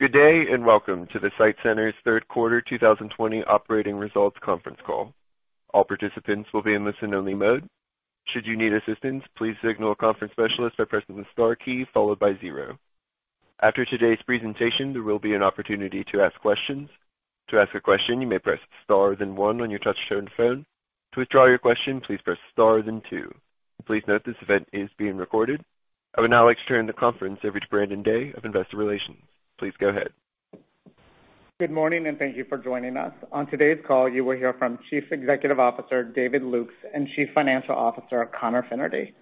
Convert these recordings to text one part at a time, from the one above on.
Good day, and welcome to the SITE Centers third quarter 2020 operating results conference call. All participants are in a listen-only mode. Should you need assistance please signal the conference specialist by pressing star key followed by zero. After today's presentation, there will be an opportunity to ask a question. To ask a question, you may press star then one on your touchtone phone. To withdraw your question, please press star then two. Please note that this event is being recorded. I would now like to turn the conference over to Brandon Day of Investor Relations. Please go ahead. Good morning. Thank you for joining us. On today's call, you will hear from Chief Executive Officer, David Lukes, and Chief Financial Officer, Conor Fennerty.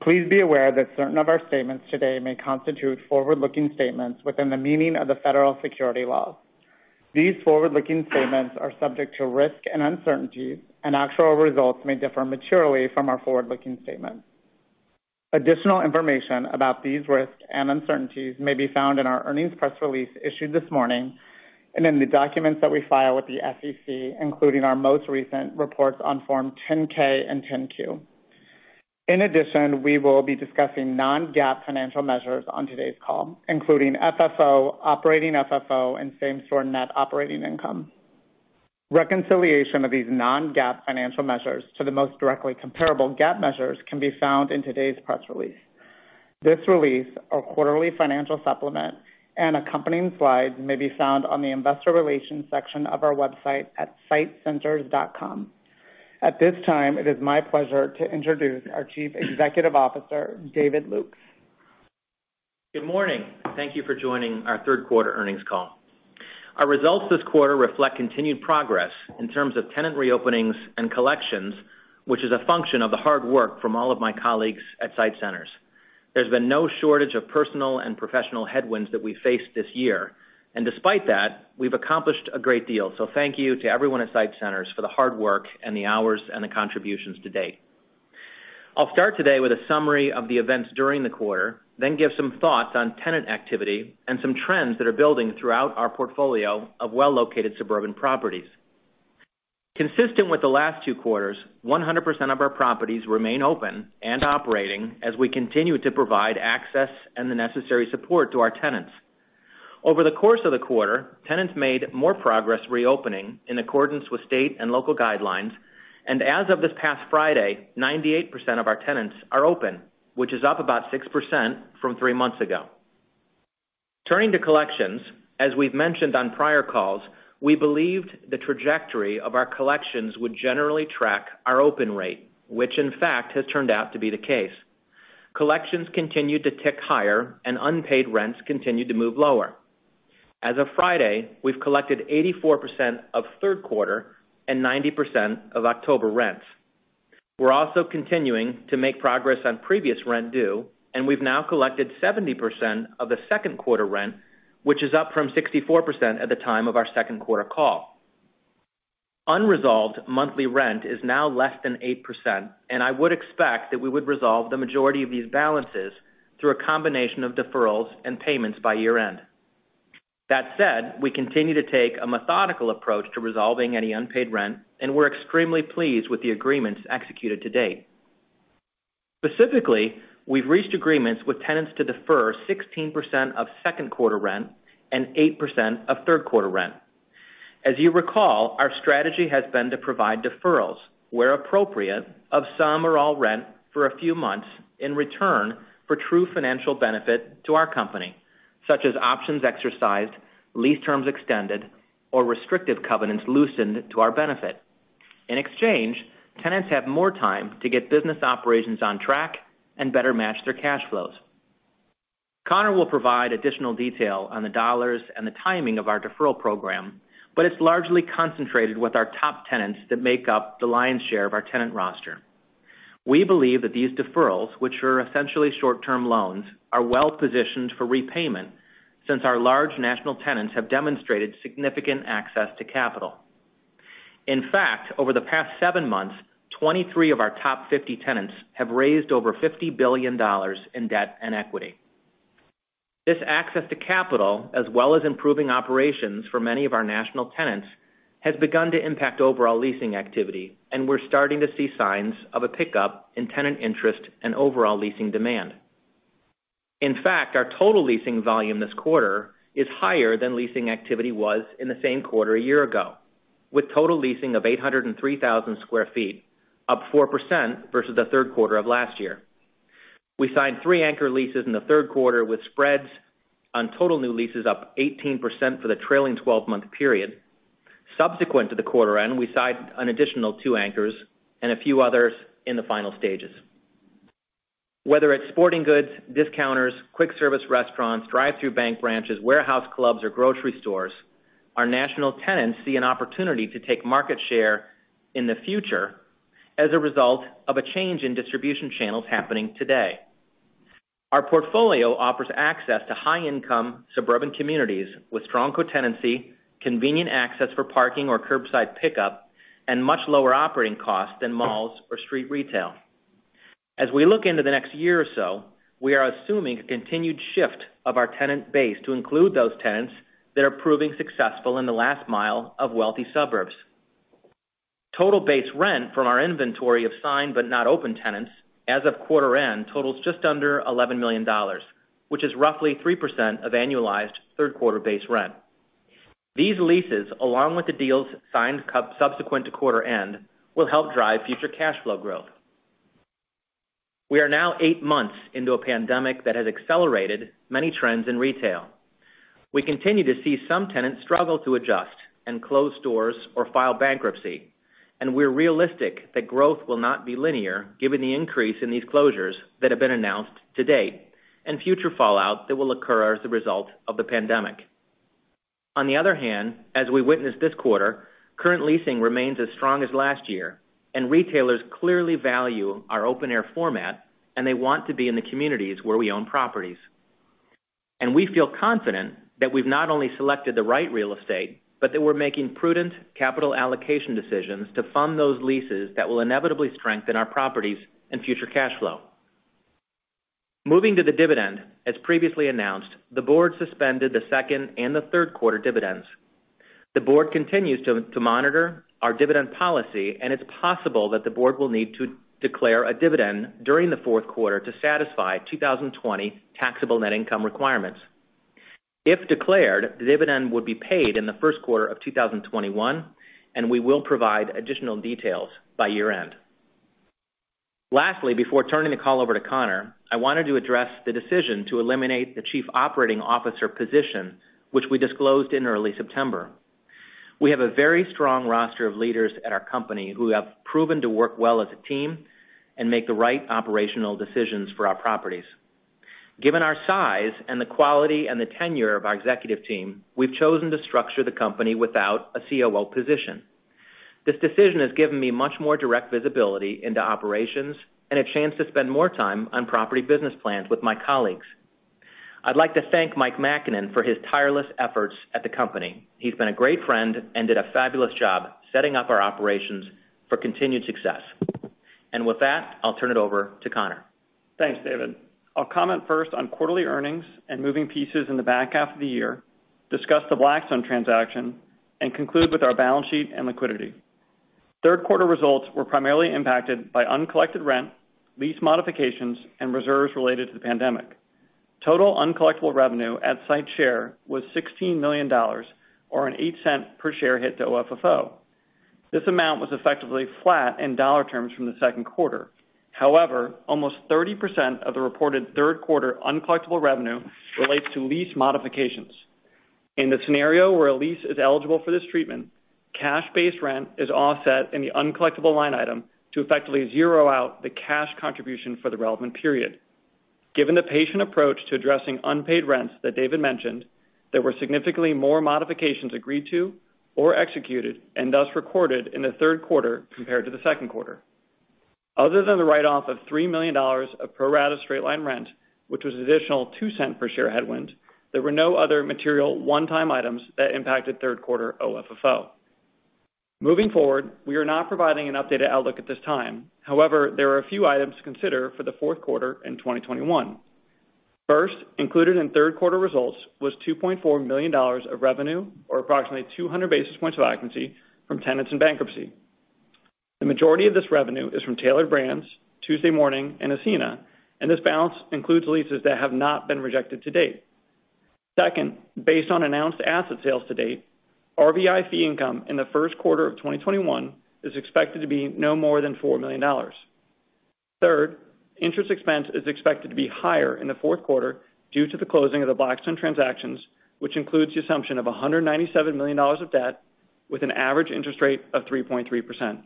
Please be aware that certain of our statements today may constitute forward-looking statements within the meaning of the federal security laws. These forward-looking statements are subject to risk and uncertainties. Actual results may differ materially from our forward-looking statements. Additional information about these risks and uncertainties may be found in our earnings press release issued this morning. In the documents that we file with the SEC, including our most recent reports on Form 10-K and Form 10-Q. In addition, we will be discussing non-GAAP financial measures on today's call, including FFO, operating FFO, and same-store net operating income. Reconciliation of these non-GAAP financial measures to the most directly comparable GAAP measures can be found in today's press release. This release, our quarterly financial supplement, and accompanying slides may be found on the investor relations section of our website at sitecenters.com. At this time, it is my pleasure to introduce our Chief Executive Officer, David Lukes. Good morning. Thank you for joining our third quarter earnings call. Our results this quarter reflect continued progress in terms of tenant reopenings and collections, which is a function of the hard work from all of my colleagues at SITE Centers. There's been no shortage of personal and professional headwinds that we faced this year, and despite that, we've accomplished a great deal. Thank you to everyone at SITE Centers for the hard work and the hours and the contributions to date. I'll start today with a summary of the events during the quarter, then give some thoughts on tenant activity and some trends that are building throughout our portfolio of well-located suburban properties. Consistent with the last two quarters, 100% of our properties remain open and operating as we continue to provide access and the necessary support to our tenants. Over the course of the quarter, tenants made more progress reopening in accordance with state and local guidelines, and as of this past Friday, 98% of our tenants are open, which is up about 6% from three months ago. Turning to collections, as we've mentioned on prior calls, we believed the trajectory of our collections would generally track our open rate, which in fact has turned out to be the case. Collections continued to tick higher, and unpaid rents continued to move lower. As of Friday, we've collected 84% of third quarter and 90% of October rents. We're also continuing to make progress on previous rent due, and we've now collected 70% of the second quarter rent, which is up from 64% at the time of our second quarter call. Unresolved monthly rent is now less than 8%, and I would expect that we would resolve the majority of these balances through a combination of deferrals and payments by year-end. That said, we continue to take a methodical approach to resolving any unpaid rent, and we're extremely pleased with the agreements executed to date. Specifically, we've reached agreements with tenants to defer 16% of second quarter rent and 8% of third quarter rent. As you recall, our strategy has been to provide deferrals where appropriate of some or all rent for a few months in return for true financial benefit to our company, such as options exercised, lease terms extended, or restrictive covenants loosened to our benefit. In exchange, tenants have more time to get business operations on track and better match their cash flows. Conor will provide additional detail on the dollars and the timing of our deferral program, it's largely concentrated with our top tenants that make up the lion's share of our tenant roster. We believe that these deferrals, which are essentially short-term loans, are well-positioned for repayment since our large national tenants have demonstrated significant access to capital. In fact, over the past seven months, 23 of our top 50 tenants have raised over $50 billion in debt and equity. This access to capital, as well as improving operations for many of our national tenants, has begun to impact overall leasing activity, we're starting to see signs of a pickup in tenant interest and overall leasing demand. In fact, our total leasing volume this quarter is higher than leasing activity was in the same quarter a year ago, with total leasing of 803,000 sq ft, up 4% versus the third quarter of last year. We signed three anchor leases in the third quarter with spreads on total new leases up 18% for the trailing 12-month period. Subsequent to the quarter end, we signed an additional two anchors and a few others in the final stages. Whether it's sporting goods, discounters, quick service restaurants, drive-through bank branches, warehouse clubs, or grocery stores, our national tenants see an opportunity to take market share in the future as a result of a change in distribution channels happening today. Our portfolio offers access to high-income suburban communities with strong co-tenancy, convenient access for parking or curbside pickup, and much lower operating costs than malls or street retail. As we look into the next year or so, we are assuming a continued shift of our tenant base to include those tenants that are proving successful in the last mile of wealthy suburbs. Total base rent from our inventory of signed but not open tenants as of quarter end totals just under $11 million, which is roughly 3% of annualized third quarter base rent. These leases, along with the deals signed subsequent to quarter end, will help drive future cash flow growth. We are now eight months into a pandemic that has accelerated many trends in retail. We continue to see some tenants struggle to adjust and close stores or file bankruptcy, and we're realistic that growth will not be linear given the increase in these closures that have been announced to date, and future fallout that will occur as the result of the pandemic. On the other hand, as we witnessed this quarter, current leasing remains as strong as last year, and retailers clearly value our open air format and they want to be in the communities where we own properties. We feel confident that we've not only selected the right real estate, but that we're making prudent capital allocation decisions to fund those leases that will inevitably strengthen our properties and future cash flow. Moving to the dividend, as previously announced, the board suspended the second and the third quarter dividends. The board continues to monitor our dividend policy, and it's possible that the board will need to declare a dividend during the fourth quarter to satisfy 2020 taxable net income requirements. If declared, the dividend would be paid in the first quarter of 2021, and we will provide additional details by year-end. Lastly, before turning the call over to Conor, I wanted to address the decision to eliminate the Chief Operating Officer position, which we disclosed in early September. We have a very strong roster of leaders at our company who have proven to work well as a team and make the right operational decisions for our properties. Given our size and the quality and the tenure of our executive team, we've chosen to structure the company without a COO position. This decision has given me much more direct visibility into operations and a chance to spend more time on property business plans with my colleagues. I'd like to thank Mike Makinen for his tireless efforts at the company. He's been a great friend and did a fabulous job setting up our operations for continued success. With that, I'll turn it over to Conor. Thanks, David. I'll comment first on quarterly earnings and moving pieces in the back half of the year, discuss the Blackstone transaction, and conclude with our balance sheet and liquidity. Third quarter results were primarily impacted by uncollected rent, lease modifications, and reserves related to the pandemic. Total uncollectible revenue at SITE share was $16 million, or a $0.08 per share hit to OFFO. This amount was effectively flat in dollar terms from the second quarter. Almost 30% of the reported third quarter uncollectible revenue relates to lease modifications. In the scenario where a lease is eligible for this treatment, cash-based rent is offset in the uncollectible line item to effectively zero out the cash contribution for the relevant period. Given the patient approach to addressing unpaid rents that David mentioned, there were significantly more modifications agreed to or executed, and thus recorded in the third quarter compared to the second quarter. Other than the write-off of $3 million of pro rata straight line rent, which was an additional $0.02 per share headwind, there were no other material one-time items that impacted third quarter OFFO. Moving forward, we are not providing an updated outlook at this time. However, there are a few items to consider for the fourth quarter in 2021. First, included in third quarter results was $2.4 million of revenue, or approximately 200 basis points of occupancy from tenants in bankruptcy. The majority of this revenue is from Tailored Brands, Tuesday Morning, and Ascena, and this balance includes leases that have not been rejected to date. Second, based on announced asset sales to date, RVI fee income in the first quarter of 2021 is expected to be no more than $4 million. Third, interest expense is expected to be higher in the fourth quarter due to the closing of the Blackstone transactions, which includes the assumption of $197 million of debt with an average interest rate of 3.3%.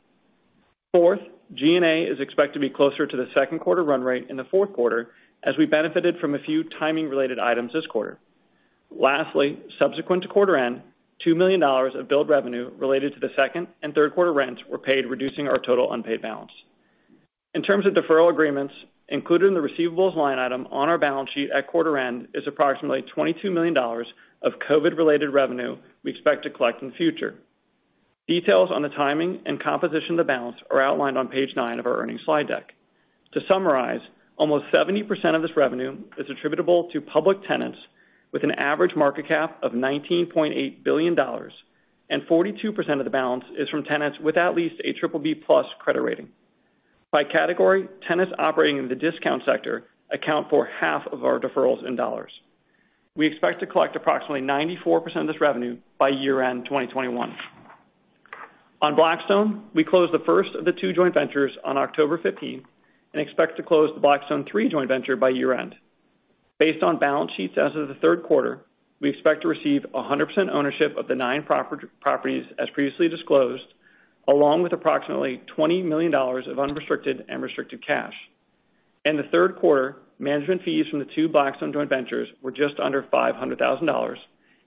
Fourth, G&A is expected to be closer to the second quarter run rate in the fourth quarter, as we benefited from a few timing related items this quarter. Lastly, subsequent to quarter end, $2 million of billed revenue related to the second and third quarter rents were paid, reducing our total unpaid balance. In terms of deferral agreements, included in the receivables line item on our balance sheet at quarter end is approximately $22 million of COVID related revenue we expect to collect in the future. Details on the timing and composition of the balance are outlined on page nine of our earnings slide deck. To summarize, almost 70% of this revenue is attributable to public tenants with an average market cap of $19.8 billion, and 42% of the balance is from tenants with at least a BBB+ credit rating. By category, tenants operating in the discount sector account for half of our deferrals in dollars. We expect to collect approximately 94% of this revenue by year-end 2021. On Blackstone, we closed the first of the two joint ventures on October 15th and expect to close the Blackstone three joint venture by year-end. Based on balance sheets as of the third quarter, we expect to receive 100% ownership of the nine properties as previously disclosed, along with approximately $20 million of unrestricted and restricted cash. In the third quarter, management fees from the two Blackstone joint ventures were just under $500,000,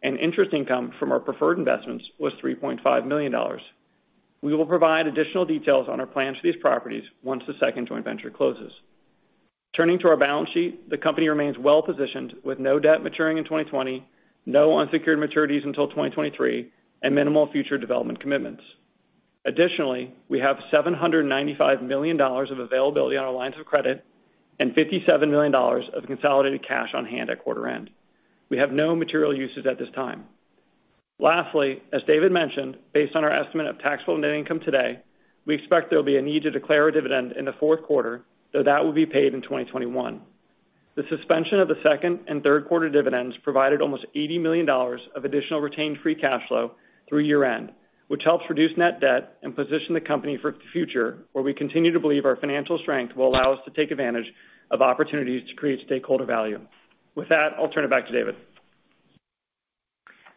and interest income from our preferred investments was $3.5 million. We will provide additional details on our plans for these properties once the second joint venture closes. Turning to our balance sheet, the company remains well-positioned with no debt maturing in 2020, no unsecured maturities until 2023, and minimal future development commitments. Additionally, we have $795 million of availability on our lines of credit and $57 million of consolidated cash on hand at quarter end. We have no material uses at this time. Lastly, as David mentioned, based on our estimate of taxable net income today, we expect there'll be a need to declare a dividend in the fourth quarter, though that will be paid in 2021. The suspension of the second and third quarter dividends provided almost $80 million of additional retained free cash flow through year-end, which helps reduce net debt and position the company for the future, where we continue to believe our financial strength will allow us to take advantage of opportunities to create stakeholder value. With that, I'll turn it back to David.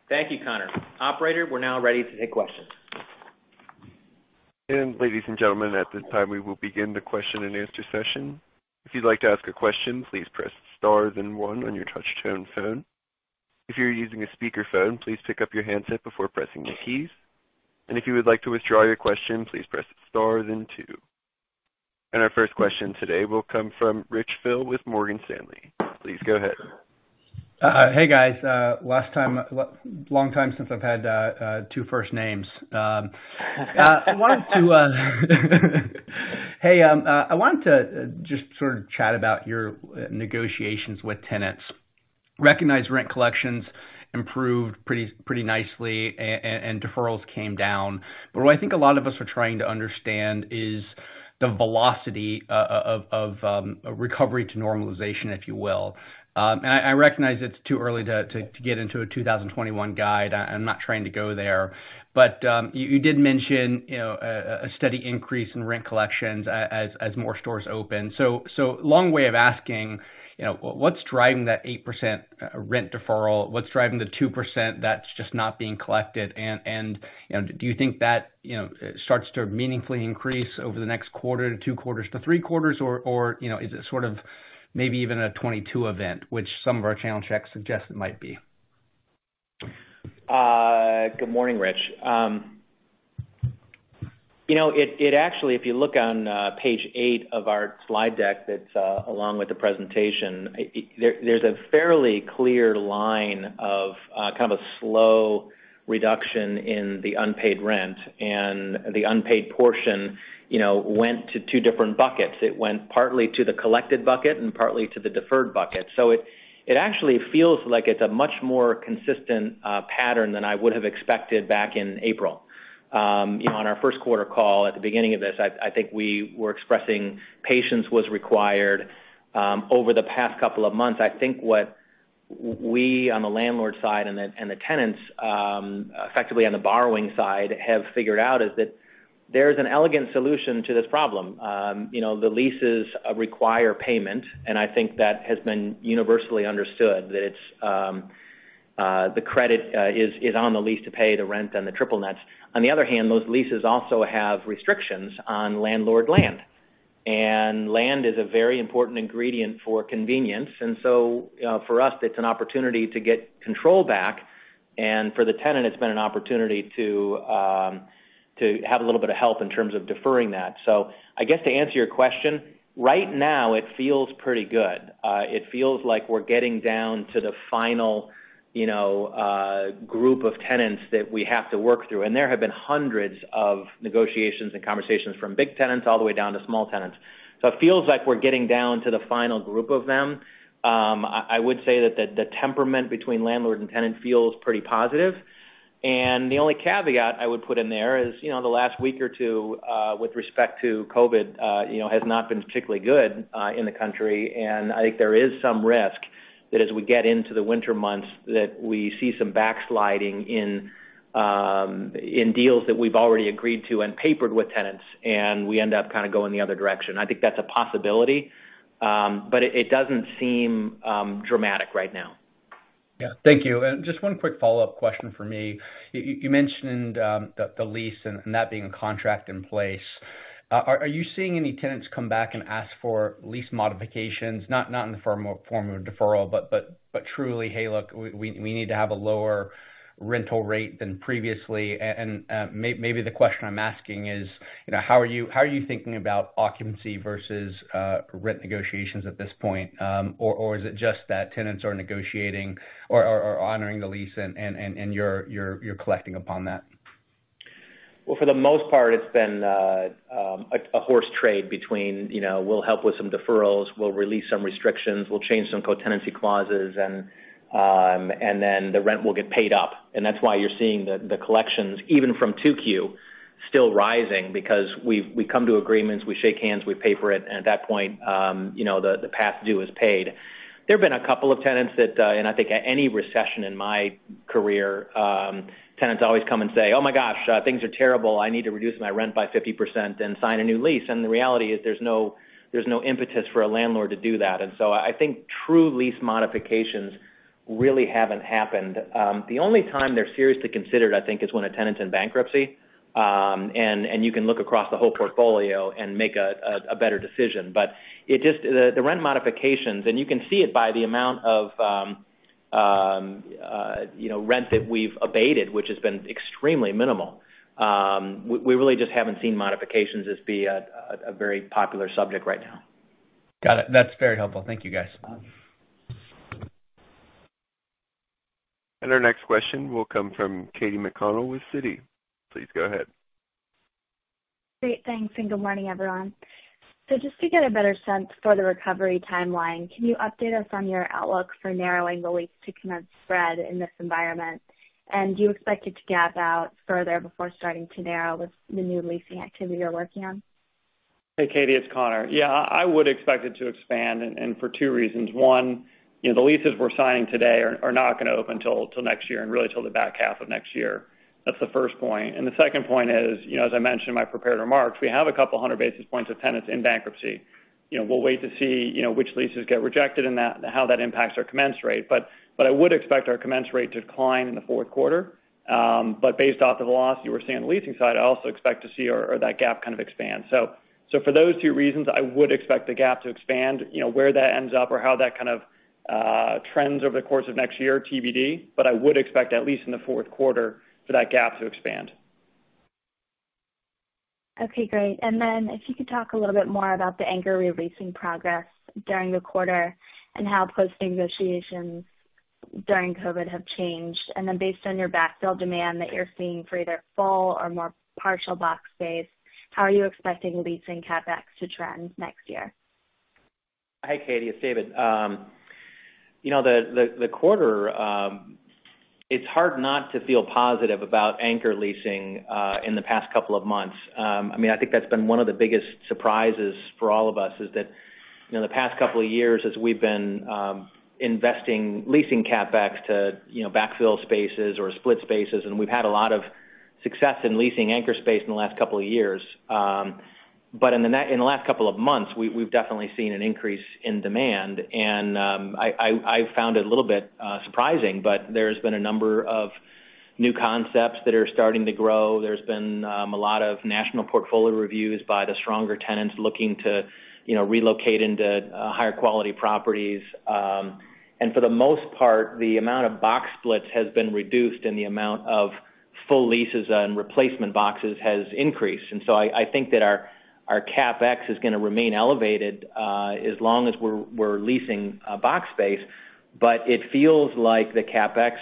Thank you, Conor. Operator, we're now ready to take questions. Ladies and gentlemen, at this time, we will begin the question and answer session. If you'd like to ask a question, please press star then one on your touchtone phone. If you are using the speakerphone, please pick up the handset before pressing the keys. If you would like to withdraw your question, please press star then two. Our first question today will come from Rich Hill with Morgan Stanley. Please go ahead. Hey, guys. Long time since I've had two first names. Hey, I wanted to just sort of chat about your negotiations with tenants. Recognized rent collections improved pretty nicely and deferrals came down. What I think a lot of us are trying to understand is the velocity of recovery to normalization, if you will. I recognize it's too early to get into a 2021 guide. I'm not trying to go there. You did mention a steady increase in rent collections as more stores open. Long way of asking, what's driving that 8% rent deferral? What's driving the 2% that's just not being collected? Do you think that starts to meaningfully increase over the next quarter to two quarters to three quarters? Or is it sort of maybe even a 2022 event, which some of our channel checks suggest it might be? Good morning, Rich. It actually, if you look on page eight of our slide deck that's along with the presentation, there's a fairly clear line of kind of a slow reduction in the unpaid rent, and the unpaid portion went to two different buckets. It went partly to the collected bucket and partly to the deferred bucket. It actually feels like it's a much more consistent pattern than I would have expected back in April. On our first quarter call at the beginning of this, I think we were expressing patience was required. Over the past couple of months, I think what we, on the landlord side, and the tenants, effectively on the borrowing side, have figured out is that there's an elegant solution to this problem. The leases require payment. I think that has been universally understood that the credit is on the lease to pay the rent and the triple nets. On the other hand, those leases also have restrictions on landlord land. Land is a very important ingredient for convenience. For us, it's an opportunity to get control back. For the tenant, it's been an opportunity to have a little bit of help in terms of deferring that. I guess to answer your question, right now it feels pretty good. It feels like we're getting down to the final group of tenants that we have to work through. There have been hundreds of negotiations and conversations from big tenants all the way down to small tenants. It feels like we're getting down to the final group of them. I would say that the temperament between landlord and tenant feels pretty positive. The only caveat I would put in there is, the last week or two, with respect to COVID, has not been particularly good in the country. I think there is some risk that as we get into the winter months, that we see some backsliding in deals that we've already agreed to and papered with tenants, and we end up kind of going the other direction. I think that's a possibility. It doesn't seem dramatic right now. Yeah. Thank you. Just one quick follow-up question from me. You mentioned the lease and that being a contract in place. Are you seeing any tenants come back and ask for lease modifications? Not in the form of deferral, but truly, "Hey, look, we need to have a lower rental rate than previously." Maybe the question I'm asking is, how are you thinking about occupancy versus rent negotiations at this point? Is it just that tenants are negotiating or honoring the lease and you're collecting upon that? Well, for the most part, it's been a horse trade between, we'll help with some deferrals, we'll release some restrictions, we'll change some co-tenancy clauses, and then the rent will get paid up. That's why you're seeing the collections, even from 2Q, still rising because we come to agreements, we shake hands, we pay for it, and at that point, the past due is paid. There have been a couple of tenants. I think any recession in my career, tenants always come and say, "Oh my gosh, things are terrible. I need to reduce my rent by 50% and sign a new lease." The reality is there's no impetus for a landlord to do that. I think true lease modifications really haven't happened. The only time they're seriously considered, I think, is when a tenant's in bankruptcy, and you can look across the whole portfolio and make a better decision. The rent modifications, and you can see it by the amount of rent that we've abated, which has been extremely minimal. We really just haven't seen modifications be a very popular subject right now. Got it. That's very helpful. Thank you, guys. Our next question will come from Katy McConnell with Citi. Please go ahead. Great. Thanks. Good morning, everyone. Just to get a better sense for the recovery timeline, can you update us on your outlook for narrowing the lease to commence spread in this environment? Do you expect it to gap out further before starting to narrow with the new leasing activity you're working on? Hey, Katy, it's Conor. Yeah, I would expect it to expand, for two reasons. One, the leases we're signing today are not going to open till next year, and really till the back half of next year. That's the first point. The second point is, as I mentioned in my prepared remarks, we have a couple of hundred basis points of tenants in bankruptcy. We'll wait to see which leases get rejected and how that impacts our commence rate. I would expect our commence rate to decline in the fourth quarter. Based off the loss you were seeing on the leasing side, I also expect to see that gap kind of expand. For those two reasons, I would expect the gap to expand. Where that ends up or how that kind of trends over the course of next year, TBD. I would expect at least in the fourth quarter for that gap to expand. Okay, great. If you could talk a little bit more about the anchor re-leasing progress during the quarter and how post negotiations during COVID have changed, and then based on your backfill demand that you're seeing for either full or more partial box space, how are you expecting leasing CapEx to trend next year? Hi, Katy, it's David. The quarter, it's hard not to feel positive about anchor leasing in the past couple of months. I think that's been one of the biggest surprises for all of us is that the past couple of years as we've been investing leasing CapEx to backfill spaces or split spaces. We've had a lot of success in leasing anchor space in the last couple of years. In the last couple of months, we've definitely seen an increase in demand, and I found it a little bit surprising, but there's been a number of new concepts that are starting to grow. There's been a lot of national portfolio reviews by the stronger tenants looking to relocate into higher quality properties. For the most part, the amount of box splits has been reduced and the amount of full leases and replacement boxes has increased. I think that our CapEx is going to remain elevated as long as we're leasing box space. It feels like the CapEx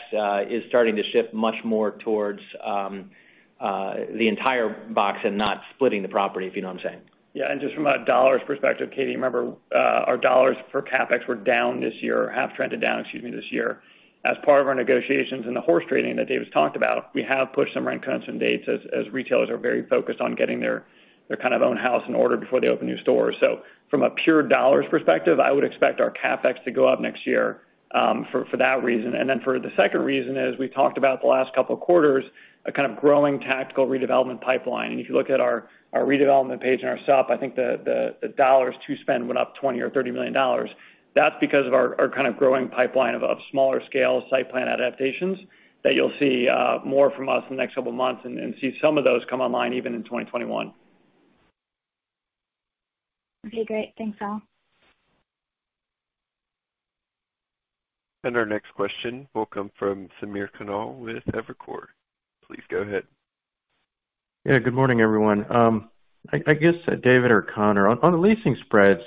is starting to shift much more towards the entire box and not splitting the property, if you know what I'm saying. Just from a dollars perspective, Katy, remember our dollars for CapEx were down this year, have trended down, excuse me, this year. As part of our negotiations and the horse trading that David talked about, we have pushed some rent commencement dates as retailers are very focused on getting their kind of own house in order before they open new stores. From a pure dollars perspective, I would expect our CapEx to go up next year for that reason. For the second reason is, we talked about the last couple of quarters, a kind of growing tactical redevelopment pipeline. If you look at our redevelopment page in our SUP, I think the dollars to spend went up $20 million or $30 million. That's because of our kind of growing pipeline of smaller scale site plan adaptations that you'll see more from us in the next couple of months and see some of those come online even in 2021. Okay, great. Thanks, all. Our next question will come from Samir Khanal with Evercore. Please go ahead. Yeah, good morning, everyone. I guess, David or Conor, on the leasing spreads,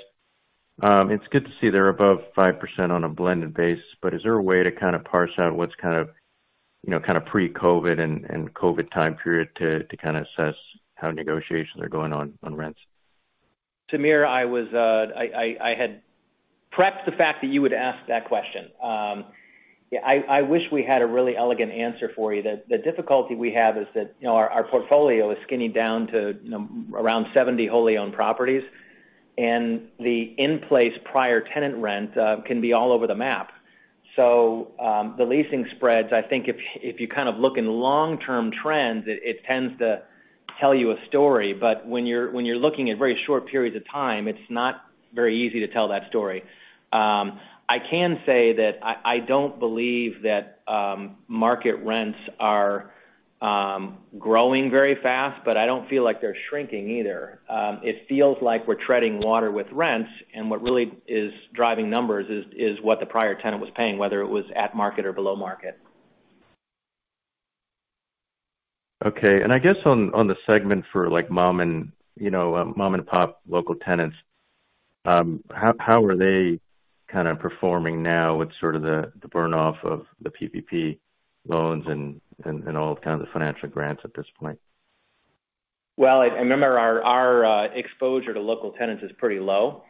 it's good to see they're above 5% on a blended base, but is there a way to kind of parse out what's kind of pre-COVID and COVID time period to kind of assess how negotiations are going on rents? Samir, I had prepped the fact that you would ask that question. I wish we had a really elegant answer for you. The difficulty we have is that our portfolio is skinny down to around 70 wholly owned properties, and the in-place prior tenant rent can be all over the map. The leasing spreads, I think if you kind of look in long-term trends, it tends to tell you a story, but when you're looking at very short periods of time, it's not very easy to tell that story. I can say that I don't believe that market rents are growing very fast, but I don't feel like they're shrinking either. It feels like we're treading water with rents, and what really is driving numbers is what the prior tenant was paying, whether it was at market or below market. Okay. I guess on the segment for like mom and pop local tenants, how are they kind of performing now with sort of the burn off of the PPP loans and all kind of the financial grants at this point? Well, remember our exposure to local tenants is pretty low.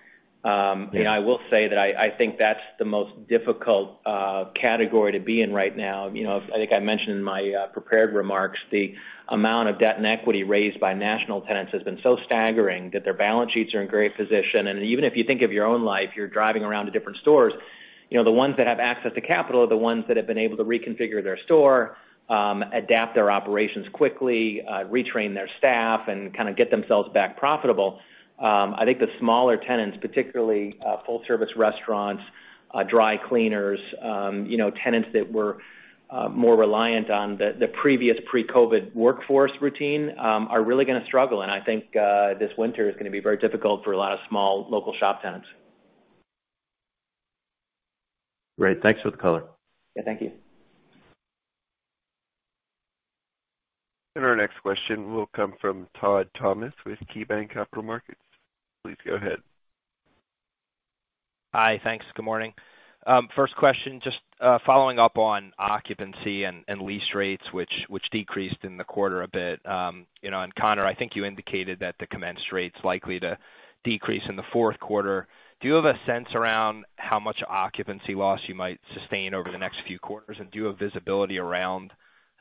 Yeah. I will say that I think that's the most difficult category to be in right now. I think I mentioned in my prepared remarks, the amount of debt and equity raised by national tenants has been so staggering that their balance sheets are in great position. Even if you think of your own life, you're driving around to different stores, the ones that have access to capital are the ones that have been able to reconfigure their store, adapt their operations quickly, retrain their staff, and kind of get themselves back profitable. I think the smaller tenants, particularly full service restaurants, dry cleaners, tenants that were more reliant on the previous pre-COVID workforce routine, are really going to struggle. I think this winter is going to be very difficult for a lot of small local shop tenants. Great. Thanks for the color. Yeah, thank you. Our next question will come from Todd Thomas with KeyBanc Capital Markets. Please go ahead. Hi, thanks. Good morning. First question, just following up on occupancy and lease rates, which decreased in the quarter a bit. Conor, I think you indicated that the commenced rate's likely to decrease in the fourth quarter. Do you have a sense around how much occupancy loss you might sustain over the next few quarters? Do you have visibility around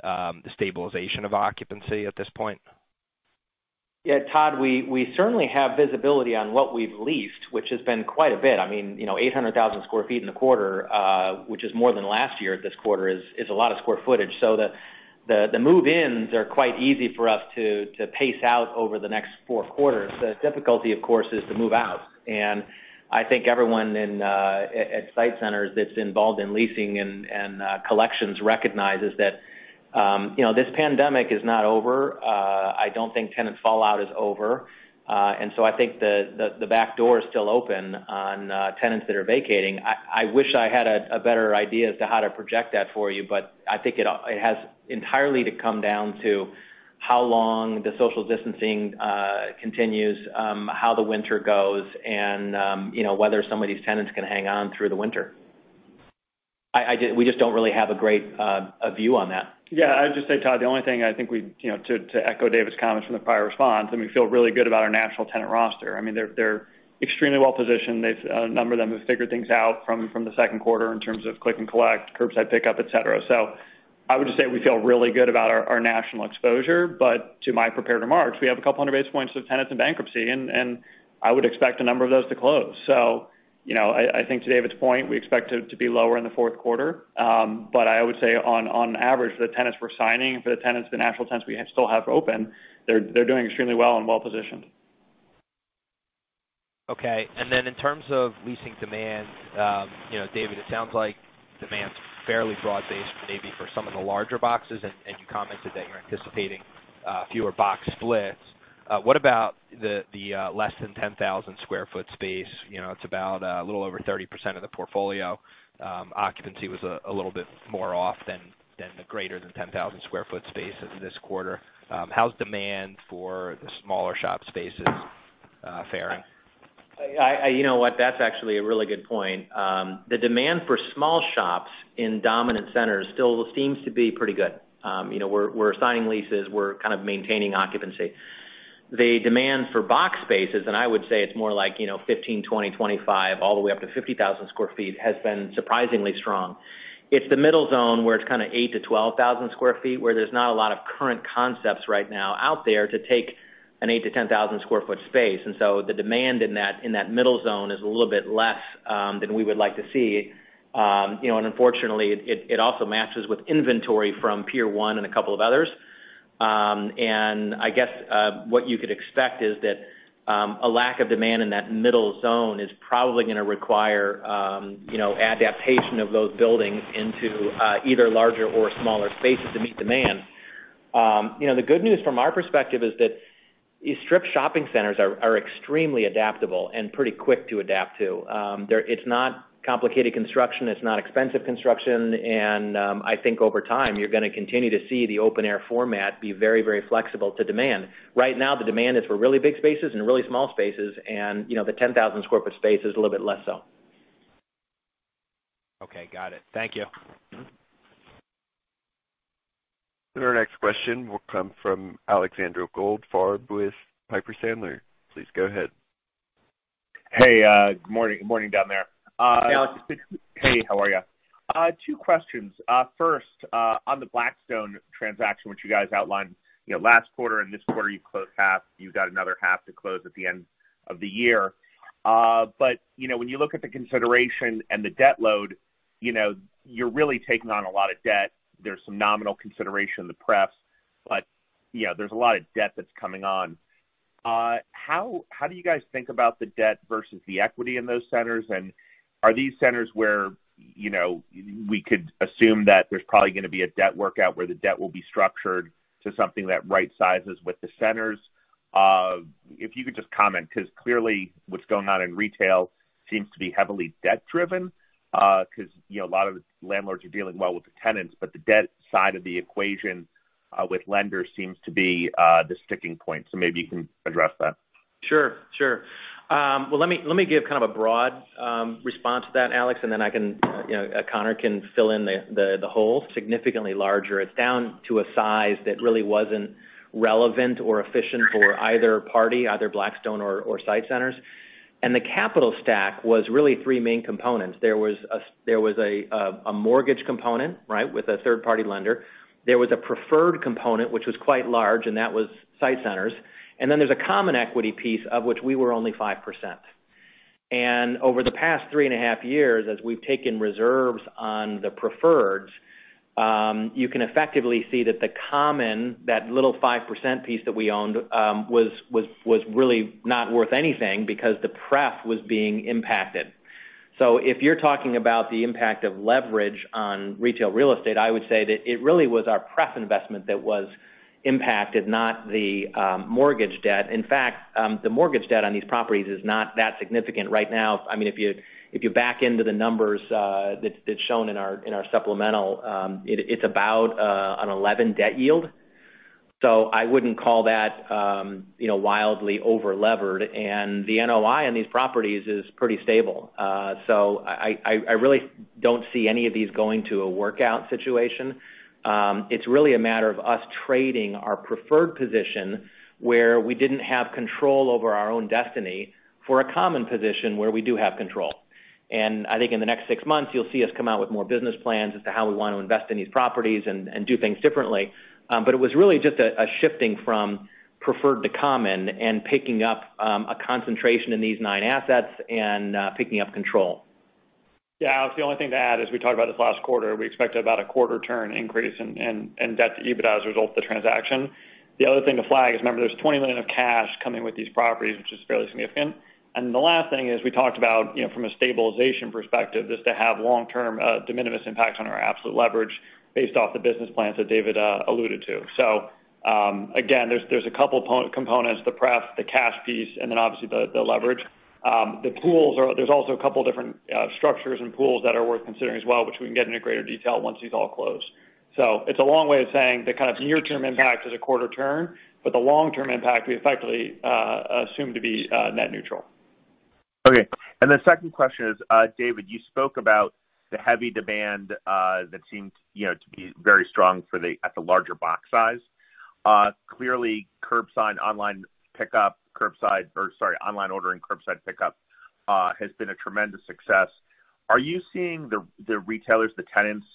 the stabilization of occupancy at this point? Todd, we certainly have visibility on what we've leased, which has been quite a bit. I mean, 800,000 sq ft in a quarter, which is more than last year at this quarter, is a lot of square footage. The move-ins are quite easy for us to pace out over the next four quarters. The difficulty, of course, is the move-out. I think everyone at SITE Centers that's involved in leasing and collections recognizes that this pandemic is not over. I don't think tenant fallout is over. I think the back door is still open on tenants that are vacating. I wish I had a better idea as to how to project that for you. I think it has entirely to come down to how long the social distancing continues, how the winter goes, and whether some of these tenants can hang on through the winter. We just don't really have a great view on that. I'd just say, Todd, the only thing I think to echo David's comments from the prior response, we feel really good about our national tenant roster. I mean, they're extremely well-positioned. A number of them have figured things out from the second quarter in terms of click and collect, curbside pickup, et cetera. I would just say we feel really good about our national exposure, but to my prepared remarks, we have a couple 100 basis points of tenants in bankruptcy, I would expect a number of those to close. I think to David's point, we expect it to be lower in the fourth quarter. I would say on average, the tenants we're signing, for the national tenants we still have open, they're doing extremely well and well-positioned. Okay. In terms of leasing demand, David, it sounds like demand's fairly broad-based, maybe for some of the larger boxes, and you commented that you're anticipating fewer box splits. What about the less than 10,000 sq ft space? It's about a little over 30% of the portfolio. Occupancy was a little bit more off than the greater than 10,000 sq ft spaces this quarter. How's demand for the smaller shop spaces fairing? You know what, that's actually a really good point. The demand for small shops in dominant centers still seems to be pretty good. We're signing leases, we're kind of maintaining occupancy. The demand for box spaces, and I would say it's more like 15,000 sq ft, 20,000 sq ft, 25,000 sq ft all the way up to 50,000 sq ft, has been surprisingly strong. It's the middle zone where it's kind of eight to 12,000 sq ft, where there's not a lot of current concepts right now out there to take an eight to 10,000 sq ft space. The demand in that middle zone is a little bit less than we would like to see. Unfortunately, it also matches with inventory from Pier 1 and a couple of others. I guess, what you could expect is that a lack of demand in that middle zone is probably going to require adaptation of those buildings into either larger or smaller spaces to meet demand. The good news from our perspective is that these strip shopping centers are extremely adaptable and pretty quick to adapt to. It's not complicated construction. It's not expensive construction. I think over time, you're going to continue to see the open-air format be very flexible to demand. Right now, the demand is for really big spaces and really small spaces, and the 10,000 sq ft space is a little bit less so. Okay, got it. Thank you. Our next question will come from Alexander Goldfarb with Piper Sandler. Please go ahead. Hey, good morning down there. Hey, Alex. Hey, how are you? Two questions. First, on the Blackstone transaction, which you guys outlined last quarter and this quarter, you closed half, you've got another half to close at the end of the year. When you look at the consideration and the debt load, you're really taking on a lot of debt. There's some nominal consideration in the pref, but there's a lot of debt that's coming on. How do you guys think about the debt versus the equity in those centers? Are these centers where we could assume that there's probably going to be a debt workout where the debt will be structured to something that right sizes with the centers? If you could just comment, because clearly what's going on in retail seems to be heavily debt-driven. A lot of the landlords are dealing well with the tenants, but the debt side of the equation with lenders seems to be the sticking point. Maybe you can address that. Sure. Well, let me give kind of a broad response to that, Alex, and then Conor can fill in the holes significantly larger. It's down to a size that really wasn't relevant or efficient for either party, either Blackstone or SITE Centers. The capital stack was really three main components. There was a mortgage component with a third-party lender. There was a preferred component, which was quite large, and that was SITE Centers. Then there's a common equity piece, of which we were only 5%. Over the past three and a half years, as we've taken reserves on the preferreds, you can effectively see that the common, that little 5% piece that we owned, was really not worth anything because the pref was being impacted. If you're talking about the impact of leverage on retail real estate, I would say that it really was our pref investment that was impacted, not the mortgage debt. In fact, the mortgage debt on these properties is not that significant right now. I mean, if you back into the numbers that's shown in our supplemental, it's about an 11 debt yield. I wouldn't call that wildly over-levered. The NOI on these properties is pretty stable. I really don't see any of these going to a workout situation. It's really a matter of us trading our preferred position, where we didn't have control over our own destiny, for a common position where we do have control. I think in the next six months, you'll see us come out with more business plans as to how we want to invest in these properties and do things differently. It was really just a shifting from preferred to common and picking up a concentration in these nine assets and picking up control. The only thing to add is we talked about this last quarter. We expect about a quarter turn increase in debt to EBITDA as a result of the transaction. The other thing to flag is, remember, there's $20 million of cash coming with these properties, which is fairly significant. The last thing is we talked about, from a stabilization perspective, this to have long-term de minimis impact on our absolute leverage based off the business plans that David alluded to. Again, there's a couple components, the pref, the cash piece, and then obviously the leverage. There's also a couple different structures and pools that are worth considering as well, which we can get into greater detail once these all close. It's a long way of saying the kind of near-term impact is a quarter turn, but the long-term impact we effectively assume to be net neutral. Okay. The second question is, David, you spoke about the heavy demand that seemed to be very strong at the larger box size. Clearly, online ordering, curbside pickup has been a tremendous success. Are you seeing the retailers, the tenants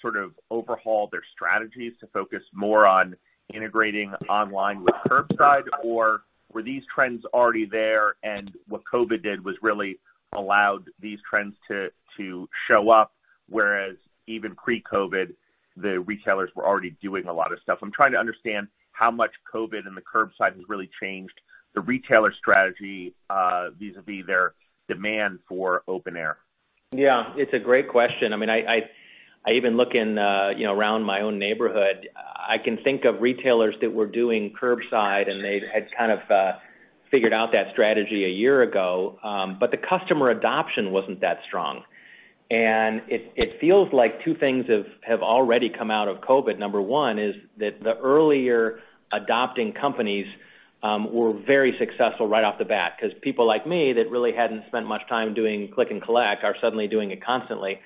sort of overhaul their strategies to focus more on integrating online with curbside? Were these trends already there and what COVID did was really allowed these trends to show up, whereas even pre-COVID, the retailers were already doing a lot of stuff? I'm trying to understand how much COVID and the curbside has really changed the retailer strategy vis-a-vis their demand for open air. Yeah. It's a great question. I even look around my own neighborhood. I can think of retailers that were doing curbside, they had kind of figured out that strategy a year ago. The customer adoption wasn't that strong. It feels like two things have already come out of COVID. Number one is that the earlier adopting companies were very successful right off the bat, because people like me that really hadn't spent much time doing click and collect are suddenly doing it constantly.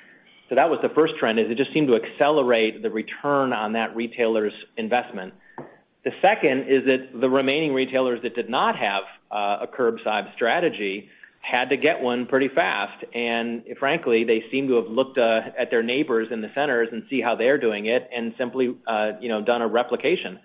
That was the first trend, is it just seemed to accelerate the return on that retailer's investment. The second is that the remaining retailers that did not have a curbside strategy had to get one pretty fast. Frankly, they seem to have looked at their neighbors in the centers and see how they're doing it and simply done a replication.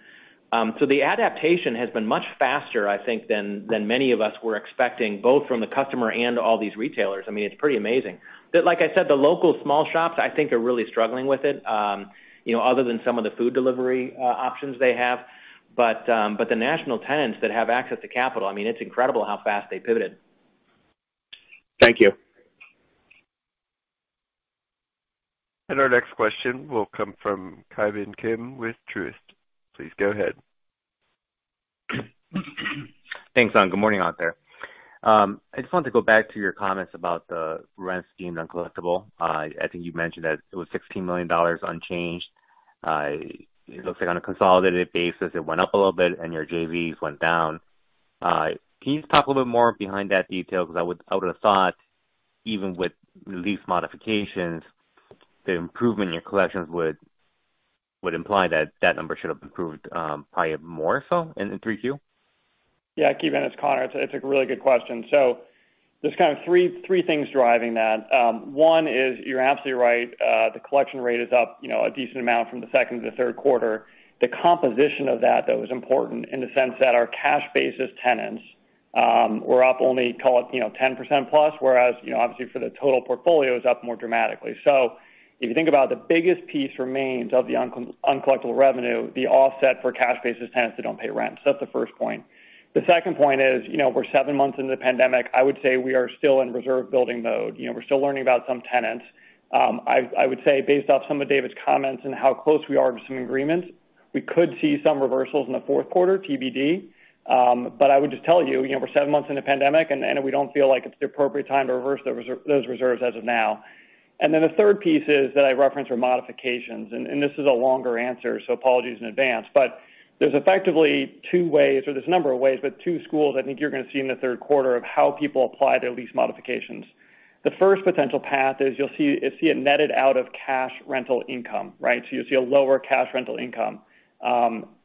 The adaptation has been much faster, I think, than many of us were expecting, both from the customer and all these retailers. It's pretty amazing. Like I said, the local small shops, I think they're really struggling with it. Other than some of the food delivery options they have. The national tenants that have access to capital, it's incredible how fast they pivoted. Thank you. Our next question will come from Ki Bin Kim with Truist. Please go ahead. Thanks. Good morning out there. I just wanted to go back to your comments about the rents deemed uncollectible. I think you mentioned that it was $16 million unchanged. It looks like on a consolidated basis, it went up a little bit and your JVs went down. Can you just talk a little bit more behind that detail? I would've thought even with lease modifications, the improvement in your collections would imply that that number should have improved probably more so in 3Q. Yeah, Ki Bin, it's Conor. It's a really good question. There's kind of three things driving that. One is you're absolutely right. The collection rate is up a decent amount from the second to the third quarter. The composition of that though is important in the sense that our cash basis tenants were up only, call it, 10%+, whereas obviously for the total portfolio, it's up more dramatically. If you think about the biggest piece remains of the uncollectible revenue, the offset for cash basis tenants that don't pay rent. That's the first point. The second point is we're seven months into the pandemic. I would say we are still in reserve building mode. We're still learning about some tenants. I would say based off some of David's comments and how close we are to some agreements, we could see some reversals in the fourth quarter, TBD. I would just tell you, we're seven months into the pandemic, and we don't feel like it's the appropriate time to reverse those reserves as of now. The third piece is that I referenced our modifications, and this is a longer answer, so apologies in advance. There's effectively two ways, or there's a number of ways, but two schools I think you're going to see in the third quarter of how people apply their lease modifications. The first potential path is you'll see it netted out of cash rental income, right. You'll see a lower cash rental income.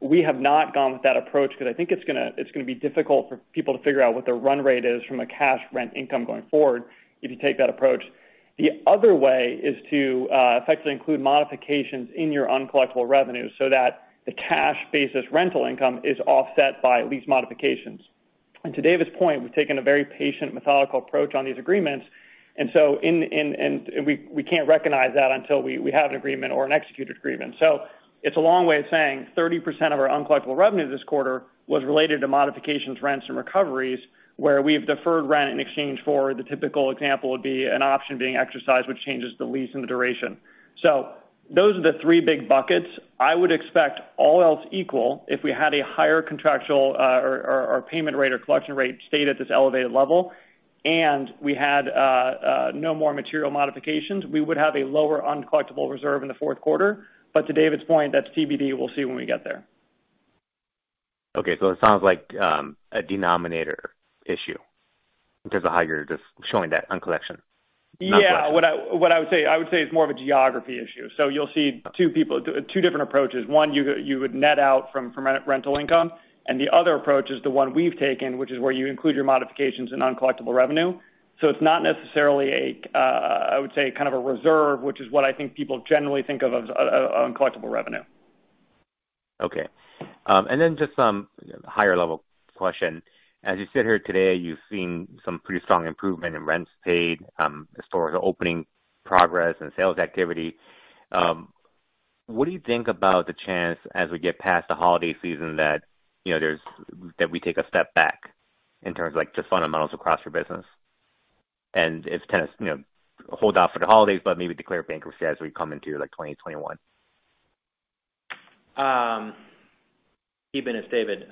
We have not gone with that approach because I think it's going to be difficult for people to figure out what their run rate is from a cash rent income going forward if you take that approach. The other way is to effectively include modifications in your uncollectible revenue so that the cash basis rental income is offset by lease modifications. To David's point, we've taken a very patient, methodical approach on these agreements. We can't recognize that until we have an agreement or an executed agreement. It's a long way of saying 30% of our uncollectible revenue this quarter was related to modifications, rents, and recoveries, where we've deferred rent in exchange for the typical example would be an option being exercised which changes the lease and the duration. Those are the three big buckets. I would expect all else equal if we had a higher contractual or payment rate or collection rate stayed at this elevated level and we had no more material modifications, we would have a lower uncollectible reserve in the fourth quarter. To David's point, that's TBD, we'll see when we get there. Okay. It sounds like a denominator issue in terms of how you're just showing that uncollection. Yeah. What I would say, it's more of a geography issue. You'll see two different approaches. One, you would net out from rental income, and the other approach is the one we've taken, which is where you include your modifications in uncollectible revenue. It's not necessarily, I would say, kind of a reserve, which is what I think people generally think of uncollectible revenue. Okay. Just some higher-level question. As you sit here today, you've seen some pretty strong improvement in rents paid, historical opening progress, and sales activity. What do you think about the chance as we get past the holiday season that we take a step back in terms of just fundamentals across your business, and it's kind of hold off for the holidays, but maybe declare bankruptcy as we come into 2021? Ki Bin, it's David.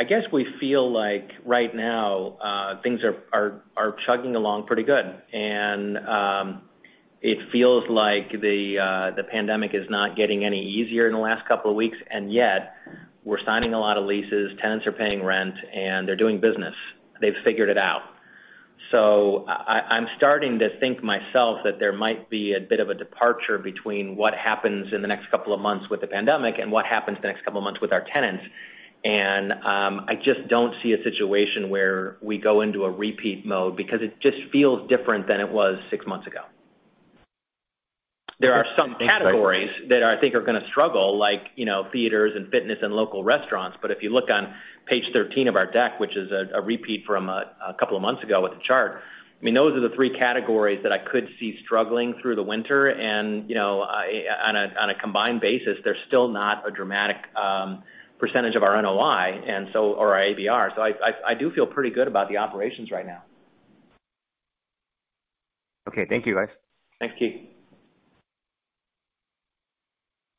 I guess we feel like right now things are chugging along pretty good. It feels like the pandemic is not getting any easier in the last couple of weeks, yet we're signing a lot of leases. Tenants are paying rent, they're doing business. They've figured it out. I'm starting to think myself that there might be a bit of a departure between what happens in the next couple of months with the pandemic and what happens the next couple of months with our tenants. I just don't see a situation where we go into a repeat mode because it just feels different than it was six months ago. There are some categories that I think are going to struggle, like theaters and fitness and local restaurants. If you look on page 13 of our deck, which is a repeat from a couple of months ago with the chart, those are the three categories that I could see struggling through the winter. On a combined basis, they're still not a dramatic percentage of our NOI or our ABR. I do feel pretty good about the operations right now. Okay. Thank you, guys. Thanks, Ki.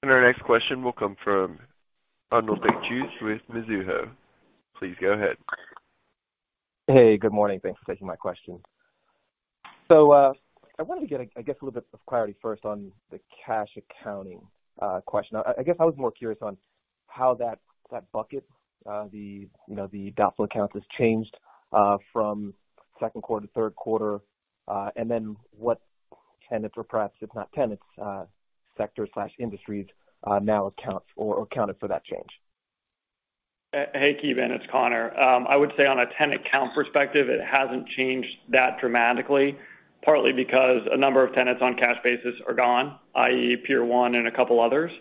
Our next question will come from Haendel St. Juste with Mizuho. Please go ahead. Hey, good morning. Thanks for taking my question. I wanted to get, I guess, a little bit of clarity first on the cash accounting question. I guess I was more curious on how that bucket, the GAAP flow account has changed from second quarter to third quarter, what tenants or perhaps if not tenants, sectors/industries now accounts or accounted for that change. Hey, Ki Bin. It's Conor. I would say on a tenant count perspective, it hasn't changed that dramatically, partly because a number of tenants on cash basis are gone, i.e., Pier 1 and a couple others.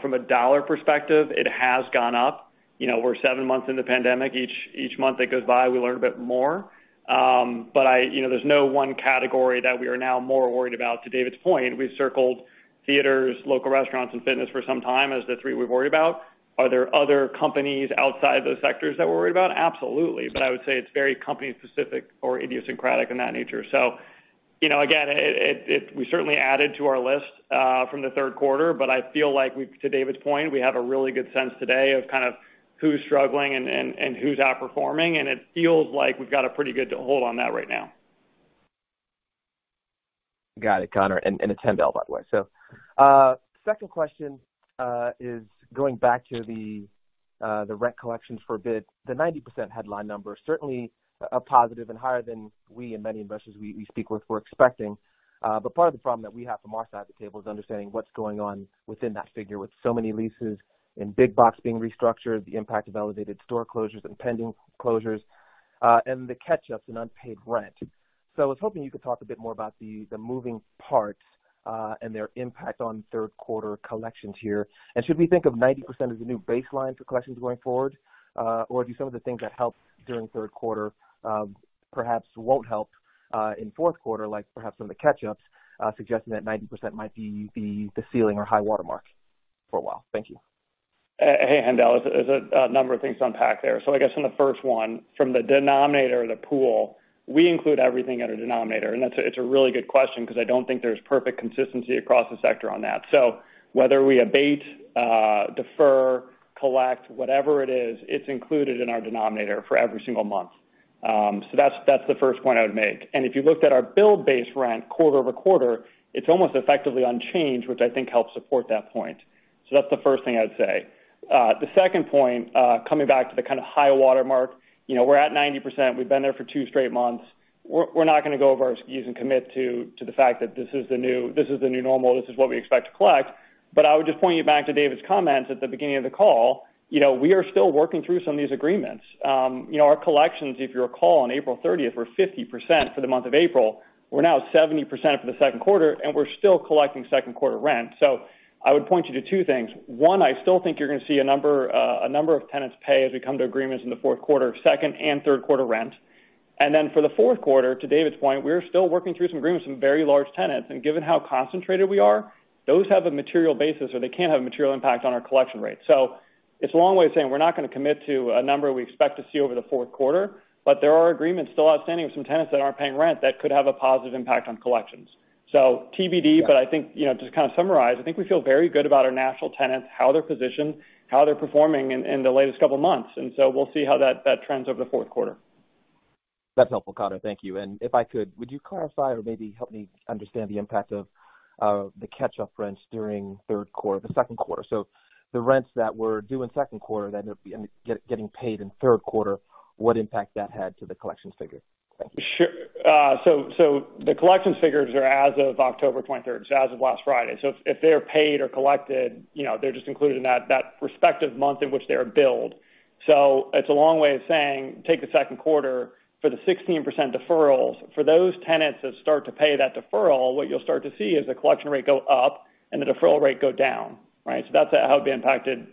From a dollar perspective, it has gone up. We're seven months into the pandemic. Each month that goes by, we learn a bit more. There's no one category that we are now more worried about. To David's point, we've circled theaters, local restaurants, and fitness for some time as the three we worry about. Are there other companies outside those sectors that we're worried about? Absolutely. I would say it's very company specific or idiosyncratic in that nature. Again, we certainly added to our list from the third quarter, but I feel like to David's point, we have a really good sense today of kind of who's struggling and who's outperforming, and it feels like we've got a pretty good hold on that right now. Got it, Conor. It's Haendel, by the way. Second question is going back to the rent collections for a bit. The 90% headline number is certainly a positive and higher than we and many investors we speak with were expecting. Part of the problem that we have from our side of the table is understanding what's going on within that figure with so many leases and big box being restructured, the impact of elevated store closures and pending closures, and the catch-ups in unpaid rent. I was hoping you could talk a bit more about the moving parts, and their impact on third quarter collections here. Should we think of 90% as a new baseline for collections going forward? Do some of the things that helped during third quarter perhaps won't help in fourth quarter, like perhaps some of the catch-ups suggesting that 90% might be the ceiling or high watermark for a while? Thank you. Hey, Haendel. There's a number of things to unpack there. I guess on the first one, from the denominator, the pool, we include everything at a denominator. It's a really good question because I don't think there's perfect consistency across the sector on that. Whether we abate, defer, collect, whatever it is, it's included in our denominator for every single month. That's the first point I would make. If you looked at our bill-based rent quarter-over-quarter, it's almost effectively unchanged, which I think helps support that point. That's the first thing I'd say. The second point, coming back to the kind of high watermark, we're at 90%. We've been there for two straight months. We're not going to go over our skis and commit to the fact that this is the new normal, this is what we expect to collect. I would just point you back to David's comments at the beginning of the call. We are still working through some of these agreements. Our collections, if you recall, on April 30th were 50% for the month of April. We are now at 70% for the second quarter, and we are still collecting second quarter rent. I would point you to two things. One, I still think you are going to see a number of tenants pay as we come to agreements in the fourth quarter, second and third quarter rent. Then for the fourth quarter, to David's point, we are still working through some agreements with some very large tenants. Given how concentrated we are, those have a material basis, or they can have a material impact on our collection rate. It's a long way of saying we're not going to commit to a number we expect to see over the fourth quarter, but there are agreements still outstanding with some tenants that aren't paying rent that could have a positive impact on collections. TBD, but I think to kind of summarize, I think we feel very good about our national tenants, how they're positioned, how they're performing in the latest couple of months. We'll see how that trends over the fourth quarter. That's helpful, Conor. Thank you. If I could, would you clarify or maybe help me understand the impact of the catch-up rents during the second quarter. The rents that were due in second quarter that ended up getting paid in third quarter, what impact that had to the collections figure? Sure. The collections figures are as of October 23rd, as of last Friday. If they're paid or collected, they're just included in that respective month in which they are billed. It's a long way of saying, take the second quarter for the 16% deferrals. For those tenants that start to pay that deferral, what you'll start to see is the collection rate go up and the deferral rate go down. Right. That's how it'd be impacted,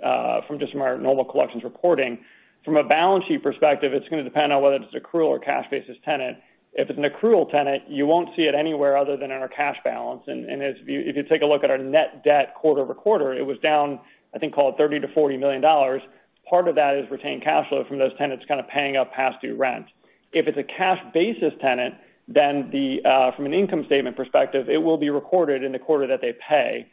from just from our normal collections reporting. From a balance sheet perspective, it's going to depend on whether it's accrual or cash basis tenant. If it's an accrual tenant, you won't see it anywhere other than in our cash balance. If you take a look at our net debt quarter-over-quarter, it was down, I think, call it $30 million-$40 million. Part of that is retained cash flow from those tenants kind of paying up past due rent. If it's a cash basis tenant, from an income statement perspective, it will be recorded in the quarter that they pay.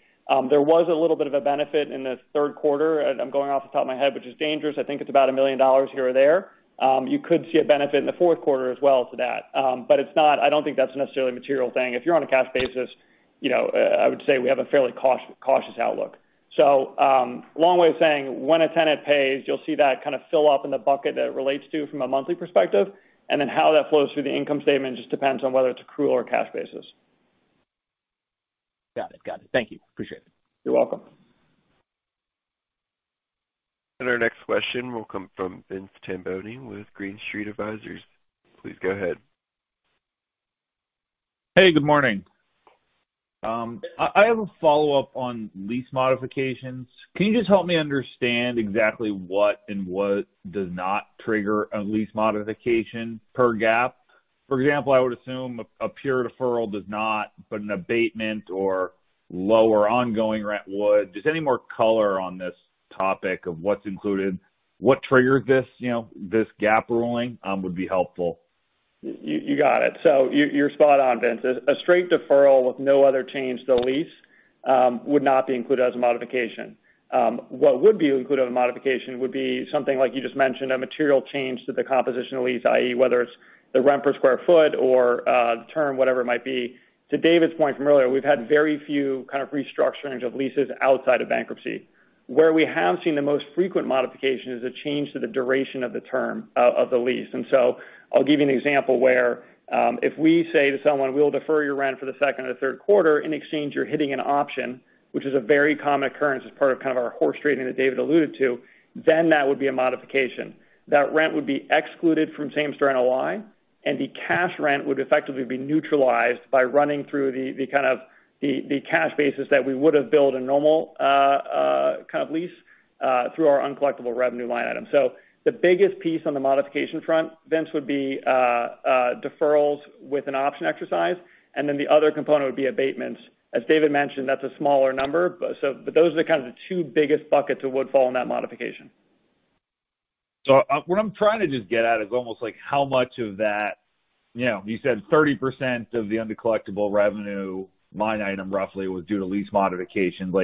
There was a little bit of a benefit in the third quarter, I'm going off the top of my head, which is dangerous. I think it's about $1 million here or there. You could see a benefit in the fourth quarter as well to that. I don't think that's necessarily a material thing. If you're on a cash basis, I would say we have a fairly cautious outlook. Long way of saying, when a tenant pays, you'll see that kind of fill up in the bucket that it relates to from a monthly perspective. How that flows through the income statement just depends on whether it's accrual or cash basis. Got it. Thank you. Appreciate it. You're welcome. Our next question will come from Vince Tibone with Green Street Advisors. Please go ahead. Hey, good morning. I have a follow-up on lease modifications. Can you just help me understand exactly what and what does not trigger a lease modification per GAAP? For example, I would assume a pure deferral does not, but an abatement or lower ongoing rent would. Just any more color on this topic of what's included, what triggered this GAAP ruling would be helpful. You got it. You're spot on, Vince. A straight deferral with no other change to the lease would not be included as a modification. What would be included as a modification would be something like you just mentioned, a material change to the composition of the lease, i.e., whether it's the rent per square foot or the term, whatever it might be. To David's point from earlier, we've had very few kind of restructurings of leases outside of bankruptcy. Where we have seen the most frequent modification is a change to the duration of the lease. I'll give you an example where if we say to someone, we'll defer your rent for the second or third quarter, in exchange you're hitting an option, which is a very common occurrence as part of kind of our horse trading that David alluded to, then that would be a modification. That rent would be excluded from same-store NOI, and the cash rent would effectively be neutralized by running through the cash basis that we would have billed a normal kind of lease through our uncollectible revenue line item. The biggest piece on the modification front, Vince, would be deferrals with an option exercise, and then the other component would be abatements. As David mentioned, that's a smaller number. Those are kind of the two biggest buckets that would fall in that modification. What I'm trying to just get at is almost like how much of that, you said 30% of the uncollectible revenue line item roughly was due to lease modifications.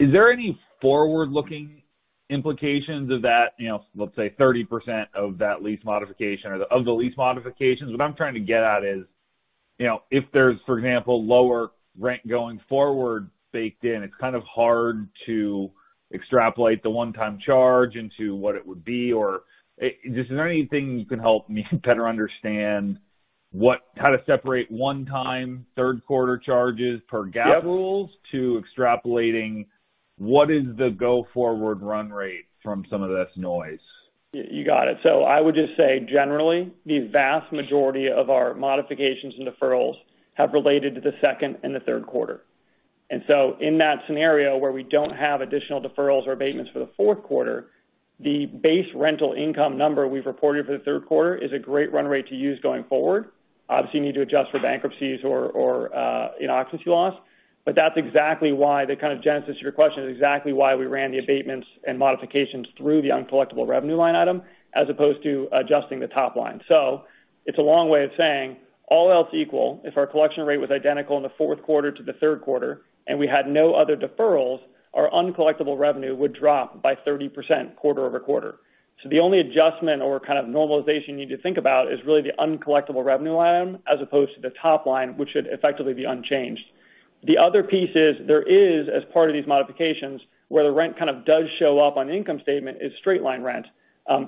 Is there any forward-looking implications of that, let's say, 30% of that lease modification or of the lease modifications? What I'm trying to get at is, if there's, for example, lower rent going forward baked in, it's kind of hard to extrapolate the one-time charge into what it would be. Is there anything you can help me better understand how to separate one-time third quarter charges per GAAP rules to extrapolating what is the go-forward run rate from some of this noise? I would just say generally, the vast majority of our modifications and deferrals have related to the second and the third quarter. In that scenario where we don't have additional deferrals or abatements for the fourth quarter, the base rental income number we've reported for the third quarter is a great run rate to use going forward. Obviously, you need to adjust for bankruptcies or iniquity loss. The kind of genesis of your question is exactly why we ran the abatements and modifications through the uncollectible revenue line item as opposed to adjusting the top line. It's a long way of saying all else equal, if our collection rate was identical in the fourth quarter to the third quarter and we had no other deferrals, our uncollectible revenue would drop by 30% quarter-over-quarter. The only adjustment or kind of normalization you need to think about is really the uncollectible revenue item as opposed to the top line, which should effectively be unchanged. The other piece is there is, as part of these modifications, where the rent kind of does show up on the income statement is straight line rent.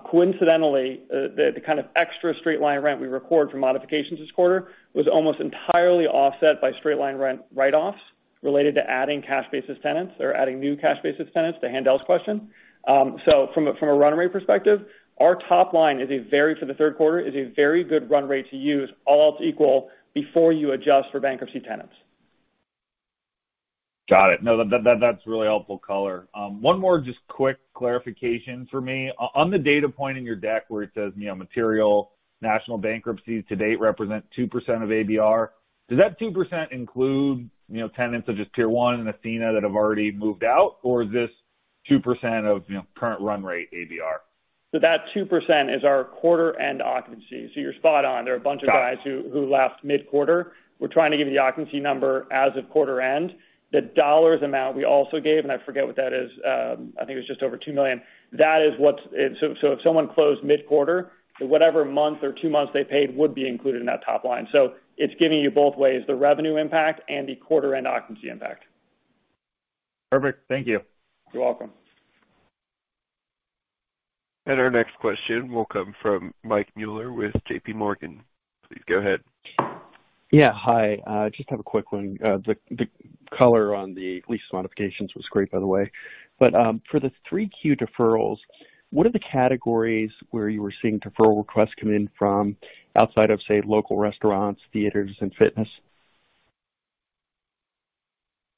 Coincidentally, the kind of extra straight line rent we record for modifications this quarter was almost entirely offset by straight line rent write-offs related to adding cash basis tenants or adding new cash basis tenants to Haendel's question. From a run rate perspective, our top line for the third quarter is a very good run rate to use, all else equal, before you adjust for bankrupt tenants. Got it. No, that's really helpful color. One more just quick clarification for me. On the data point in your deck where it says material national bankruptcies to date represent 2% of ABR. Does that 2% include tenants such as Pier 1 and Ascena that have already moved out? Is this 2% of current run rate ABR? That 2% is our quarter-end occupancy. You're spot on. There are a bunch of guys who left mid-quarter. We're trying to give you the occupancy number as of quarter end. The dollars amount we also gave, and I forget what that is. I think it was just over $2 million. If someone closed mid-quarter, whatever month or two months they paid would be included in that top line. It's giving you both ways, the revenue impact and the quarter-end occupancy impact. Perfect. Thank you. You're welcome. Our next question will come from Mike Mueller with JPMorgan. Please go ahead. Yeah. Hi. I just have a quick one. The color on the lease modifications was great, by the way. For the 3Q deferrals, what are the categories where you were seeing deferral requests come in from outside of, say, local restaurants, theaters, and fitness?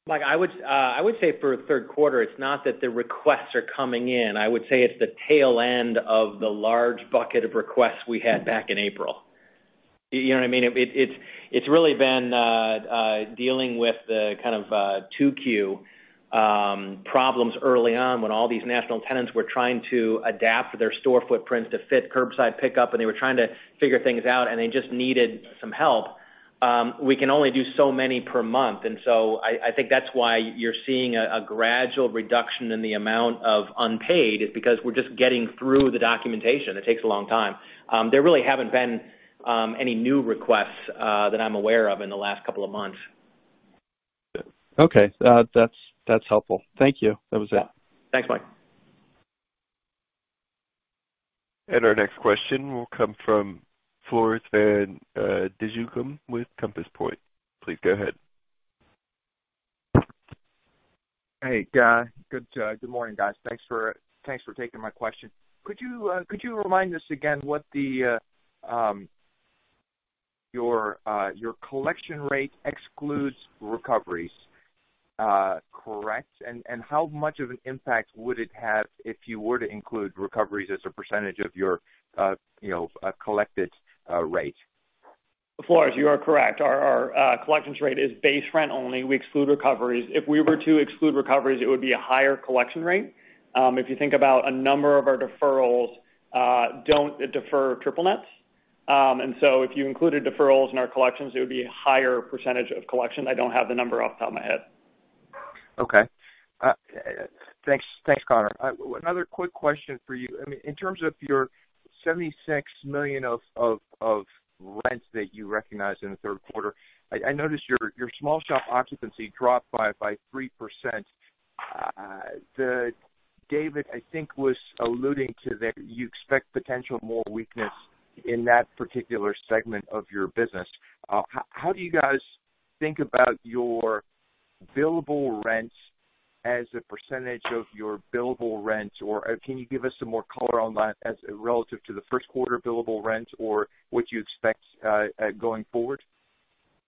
Mike, I would say for the third quarter, it's not that the requests are coming in. I would say it's the tail end of the large bucket of requests we had back in April. You know what I mean? It's really been dealing with the kind of 2Q problems early on when all these national tenants were trying to adapt their store footprints to fit curbside pickup, and they were trying to figure things out, and they just needed some help. We can only do so many per month, and so I think that's why you're seeing a gradual reduction in the amount of unpaid, is because we're just getting through the documentation. It takes a long time. There really haven't been any new requests that I'm aware of in the last couple of months. Okay. That's helpful. Thank you. That was it. Thanks, Mike. Our next question will come from Floris van Dijkum with Compass Point. Please go ahead. Hey. Good morning, guys. Thanks for taking my question. Could you remind us again what your collection rate excludes recoveries, correct? How much of an impact would it have if you were to include recoveries as a percentage of your collected rate? Floris, you are correct. Our collections rate is base rent only. We exclude recoveries. If we were to exclude recoveries, it would be a higher collection rate. If you think about a number of our deferrals don't defer triple nets. If you included deferrals in our collections, it would be a higher percentage of collection. I don't have the number off the top of my head. Thanks, Conor. Another quick question for you. In terms of your $76 million of rents that you recognized in the third quarter, I noticed your small shop occupancy dropped by 3%. David, I think, was alluding to that you expect potential more weakness in that particular segment of your business. How do you guys think about your billable rents as a percentage of your billable rent, or can you give us some more color on that as relative to the first quarter billable rent or what you expect going forward?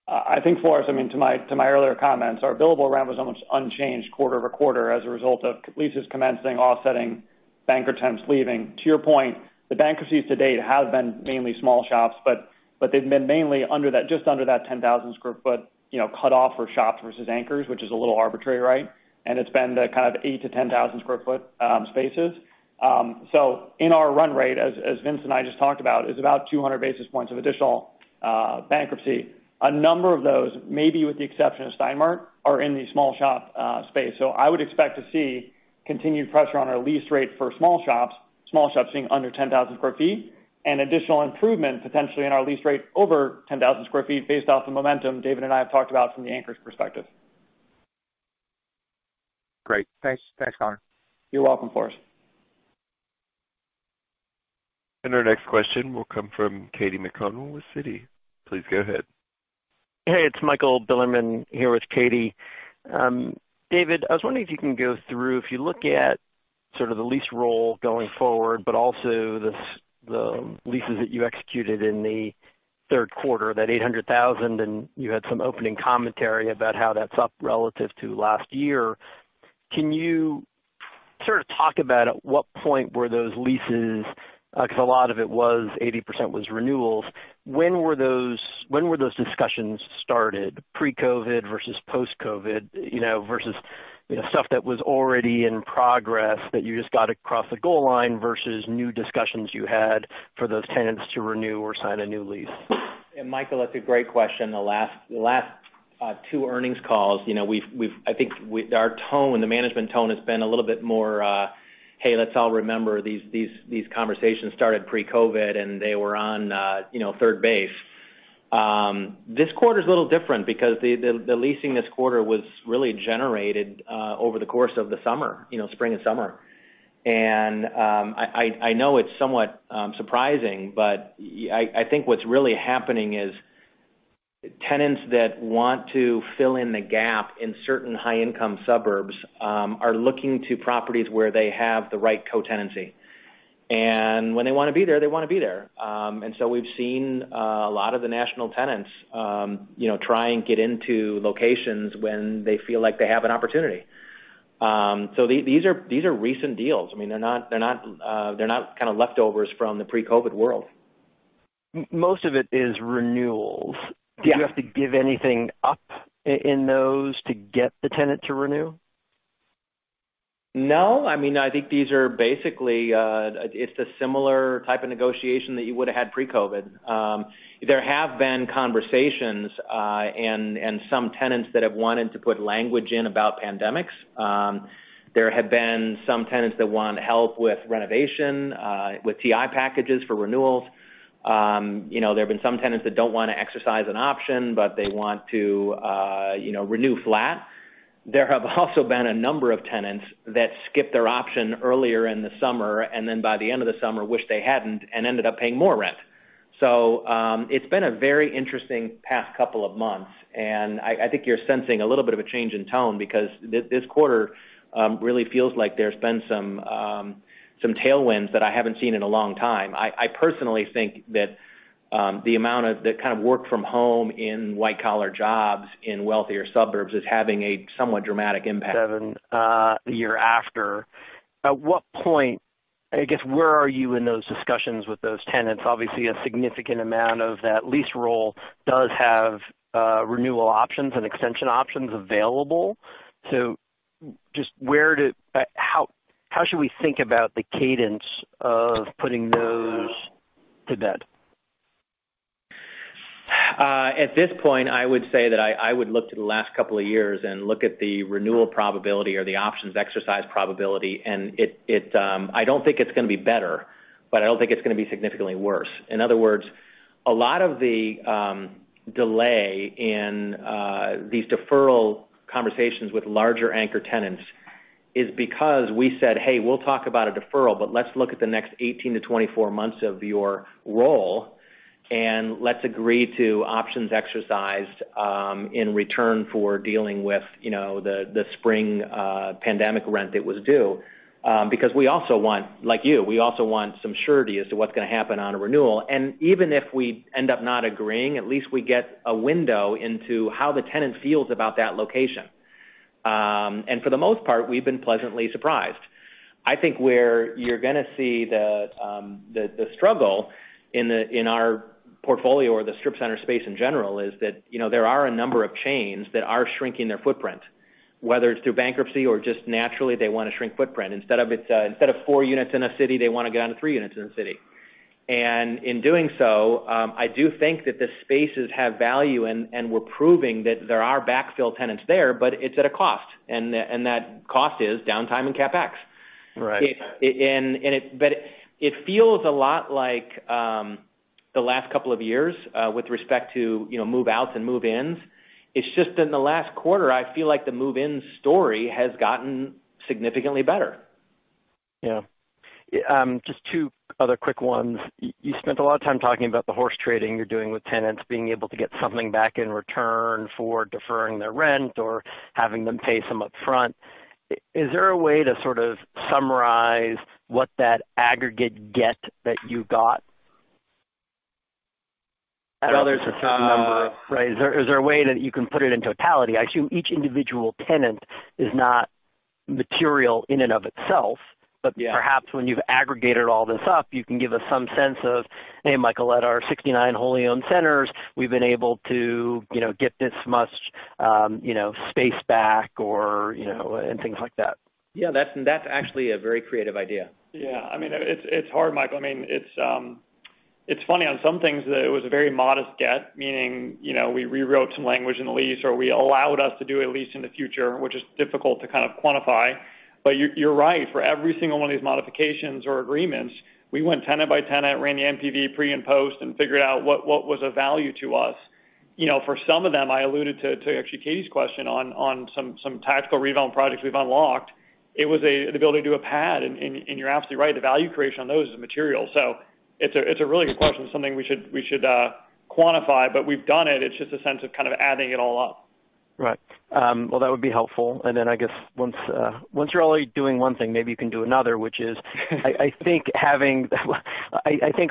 I think, Floris, to my earlier comments, our billable rent was almost unchanged quarter-over-quarter as a result of leases commencing offsetting bankrupt tenants leaving. To your point, the bankruptcies to date have been mainly small shops, but they've been mainly just under that 10,000 sq ft cutoff for shops versus anchors, which is a little arbitrary. It's been the kind of 8,000 sq ft-10,000 sq ft spaces. In our run rate, as Vince and I just talked about, is about 200 basis points of additional bankruptcy. A number of those, maybe with the exception of Stein Mart, are in the small shop space. I would expect to see continued pressure on our lease rate for small shops, small shops being under 10,000 sq ft, and additional improvement potentially in our lease rate over 10,000 sq ft based off the momentum David and I have talked about from the anchors perspective. Great. Thanks, Conor. You're welcome, Floris. Our next question will come from Katy McConnell with Citi. Please go ahead. Hey, it's Michael Bilerman here with Katy. David, I was wondering if you can go through, if you look at sort of the lease roll going forward, but also the leases that you executed in the third quarter, that 800,000, and you had some opening commentary about how that's up relative to last year. Can you sort of talk about at what point were those leases, because a lot of it was 80% was renewals, when were those discussions started, pre-COVID versus post-COVID, versus stuff that was already in progress that you just got across the goal line versus new discussions you had for those tenants to renew or sign a new lease? Michael, that's a great question. The last two earnings calls, I think our tone, the management tone has been a little bit more, hey, let's all remember these conversations started pre-COVID, and they were on third base. This quarter is a little different because the leasing this quarter was really generated over the course of the summer, spring and summer. I know it's somewhat surprising, but I think what's really happening is tenants that want to fill in the gap in certain high-income suburbs are looking to properties where they have the right co-tenancy. When they want to be there, they want to be there. We've seen a lot of the national tenants try and get into locations when they feel like they have an opportunity. These are recent deals. They're not kind of leftovers from the pre-COVID world. Most of it is renewals. Yeah. Do you have to give anything up in those to get the tenant to renew? No. I think these are basically, it's a similar type of negotiation that you would've had pre-COVID. There have been conversations, and some tenants that have wanted to put language in about pandemics. There have been some tenants that want help with renovation, with TI packages for renewals. There have been some tenants that don't want to exercise an option, but they want to renew flat. There have also been a number of tenants that skipped their option earlier in the summer, and then by the end of the summer, wished they hadn't, and ended up paying more rent. It's been a very interesting past couple of months, and I think you're sensing a little bit of a change in tone because this quarter really feels like there's been some tailwinds that I haven't seen in a long time. I personally think that the amount of the kind of work from home in white collar jobs in wealthier suburbs is having a somewhat dramatic impact. Seven the year after. At what point, I guess, where are you in those discussions with those tenants? Obviously, a significant amount of that lease roll does have renewal options and extension options available. Just how should we think about the cadence of putting those to bed? At this point, I would say that I would look to the last couple of years and look at the renewal probability or the options exercise probability, and I don't think it's going to be better, but I don't think it's going to be significantly worse. In other words, a lot of the delay in these deferral conversations with larger anchor tenants is because we said, "Hey, we'll talk about a deferral, but let's look at the next 18 months-24 months of your roll, and let's agree to options exercised in return for dealing with the spring pandemic rent that was due." Because we also want, like you, we also want some surety as to what's going to happen on a renewal. Even if we end up not agreeing, at least we get a window into how the tenant feels about that location. For the most part, we've been pleasantly surprised. I think where you're going to see the struggle in our portfolio or the strip center space in general is that there are a number of chains that are shrinking their footprint, whether it's through bankruptcy or just naturally they want to shrink footprint. Instead of four units in a city, they want to get down to three units in a city. In doing so, I do think that the spaces have value, and we're proving that there are backfill tenants there, but it's at a cost. That cost is downtime and CapEx. Right. It feels a lot like the last couple of years, with respect to move-outs and move-ins. It's just in the last quarter, I feel like the move-ins story has gotten significantly better. Yeah. Just two other quick ones. You spent a lot of time talking about the horse trading you're doing with tenants, being able to get something back in return for deferring their rent or having them pay some upfront. Is there a way to sort of summarize what that aggregate get that you got? I don't think- There's a certain number, right? Is there a way that you can put it in totality? I assume each individual tenant is not material in and of itself. Yeah. Perhaps when you've aggregated all this up, you can give us some sense of, hey, Michael, at our 69 wholly owned centers, we've been able to get this much space back, and things like that. Yeah. That's actually a very creative idea. It's hard, Michael. It's funny, on some things, it was a very modest get, meaning, we rewrote some language in the lease, or we allowed us to do a lease in the future, which is difficult to kind of quantify. You're right. For every single one of these modifications or agreements, we went tenant by tenant, ran the NPV pre and post, and figured out what was of value to us. For some of them, I alluded to actually Katy's question on some tactical reval projects we've unlocked. It was the ability to do a pad, and you're absolutely right, the value creation on those is material. It's a really good question, something we should quantify, we've done it. It's just a sense of kind of adding it all up. Right. Well, that would be helpful. I guess once you're only doing one thing, maybe you can do another. I think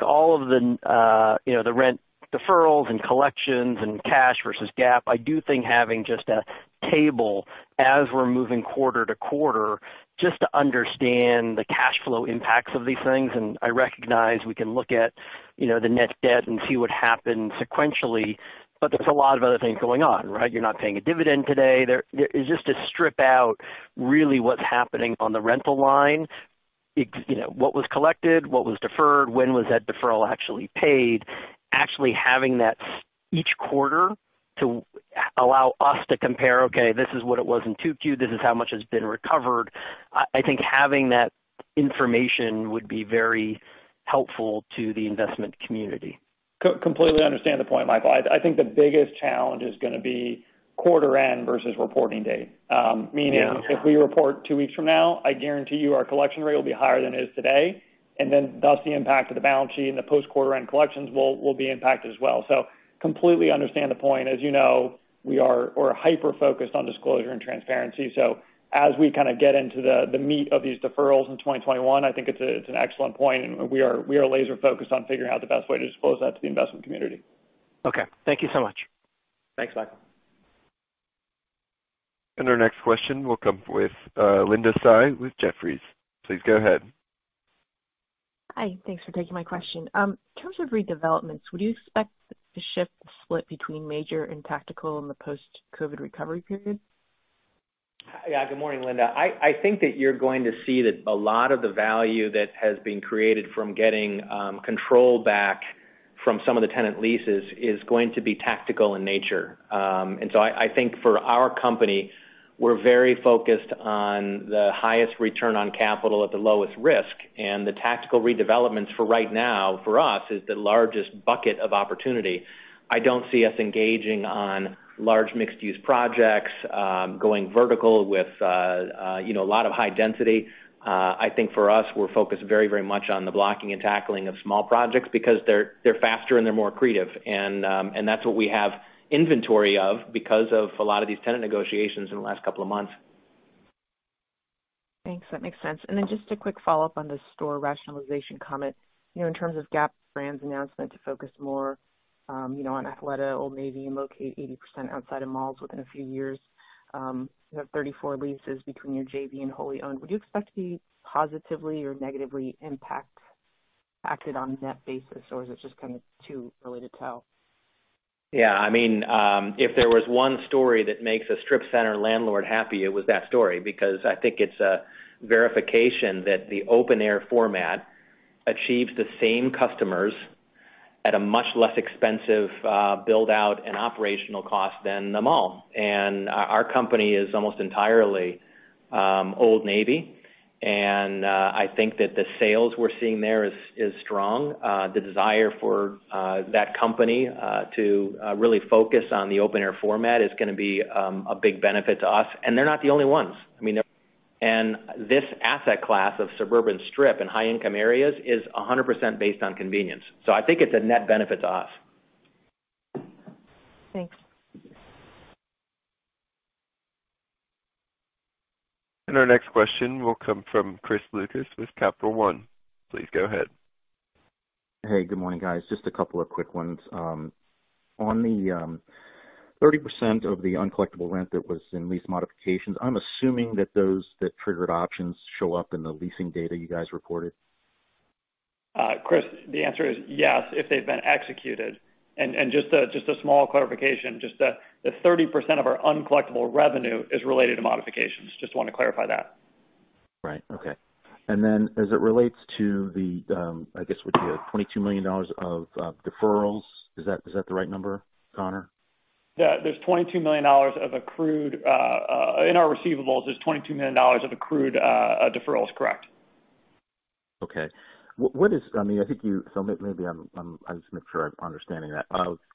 all of the rent deferrals and collections and cash versus GAAP, I do think having just a table as we're moving quarter-to-quarter, just to understand the cash flow impacts of these things. I recognize we can look at the net debt and see what happened sequentially. There's a lot of other things going on, right? You're not paying a dividend today. Just to strip out really what's happening on the rental line. What was collected, what was deferred, when was that deferral actually paid? Actually having that each quarter to allow us to compare, okay, this is what it was in 2Q, this is how much has been recovered. I think having that information would be very helpful to the investment community. Completely understand the point, Michael. I think the biggest challenge is going to be quarter end versus reporting date. Yeah. Meaning, if we report two weeks from now, I guarantee you our collection rate will be higher than it is today, thus the impact of the balance sheet and the post quarter end collections will be impacted as well. Completely understand the point. As you know, we're hyper-focused on disclosure and transparency. As we kind of get into the meat of these deferrals in 2021, I think it's an excellent point, We are laser focused on figuring out the best way to disclose that to the investment community. Okay. Thank you so much. Thanks, Michael. Our next question will come with Linda Tsai with Jefferies. Please go ahead. Hi. Thanks for taking my question. In terms of redevelopments, would you expect the shift to split between major and tactical in the post-COVID recovery period? Yeah. Good morning, Linda. I think that you're going to see that a lot of the value that has been created from getting control back from some of the tenant leases is going to be tactical in nature. I think for our company, we're very focused on the highest return on capital at the lowest risk. The tactical redevelopments for right now, for us, is the largest bucket of opportunity. I don't see us engaging on large mixed-use projects, going vertical with a lot of high density. I think for us, we're focused very much on the blocking and tackling of small projects because they're faster and they're more accretive. That's what we have inventory of because of a lot of these tenant negotiations in the last couple of months. Thanks. That makes sense. Just a quick follow-up on the store rationalization comment. In terms of Gap brand's announcement to focus more on Athleta, Old Navy, and locate 80% outside of malls within a few years. You have 34 leases between your JV and wholly owned. Would you expect to be positively or negatively impacted on a net basis, or is it just kind of too early to tell? Yeah, if there was one story that makes a strip center landlord happy, it was that story because I think it's a verification that the open air format achieves the same customers at a much less expensive build-out and operational cost than the mall. Our company is almost entirely Old Navy, and I think that the sales we're seeing there is strong. The desire for that company to really focus on the open air format is going to be a big benefit to us, and they're not the only ones. This asset class of suburban strip in high income areas is 100% based on convenience, so I think it's a net benefit to us. Thanks. Our next question will come from Chris Lucas with Capital One. Please go ahead. Hey, good morning, guys. Just a couple of quick ones. On the 30% of the uncollectible rent that was in lease modifications, I'm assuming that those that triggered options show up in the leasing data you guys reported. Chris, the answer is yes, if they've been executed. Just a small clarification, just that the 30% of our uncollectible revenue is related to modifications. Just want to clarify that. Right. Okay. As it relates to the, I guess, what you had, $22 million of deferrals, is that the right number, Conor? Yeah. In our receivables, there's $22 million of accrued deferrals. Correct. Okay. I'm just making sure I'm understanding that.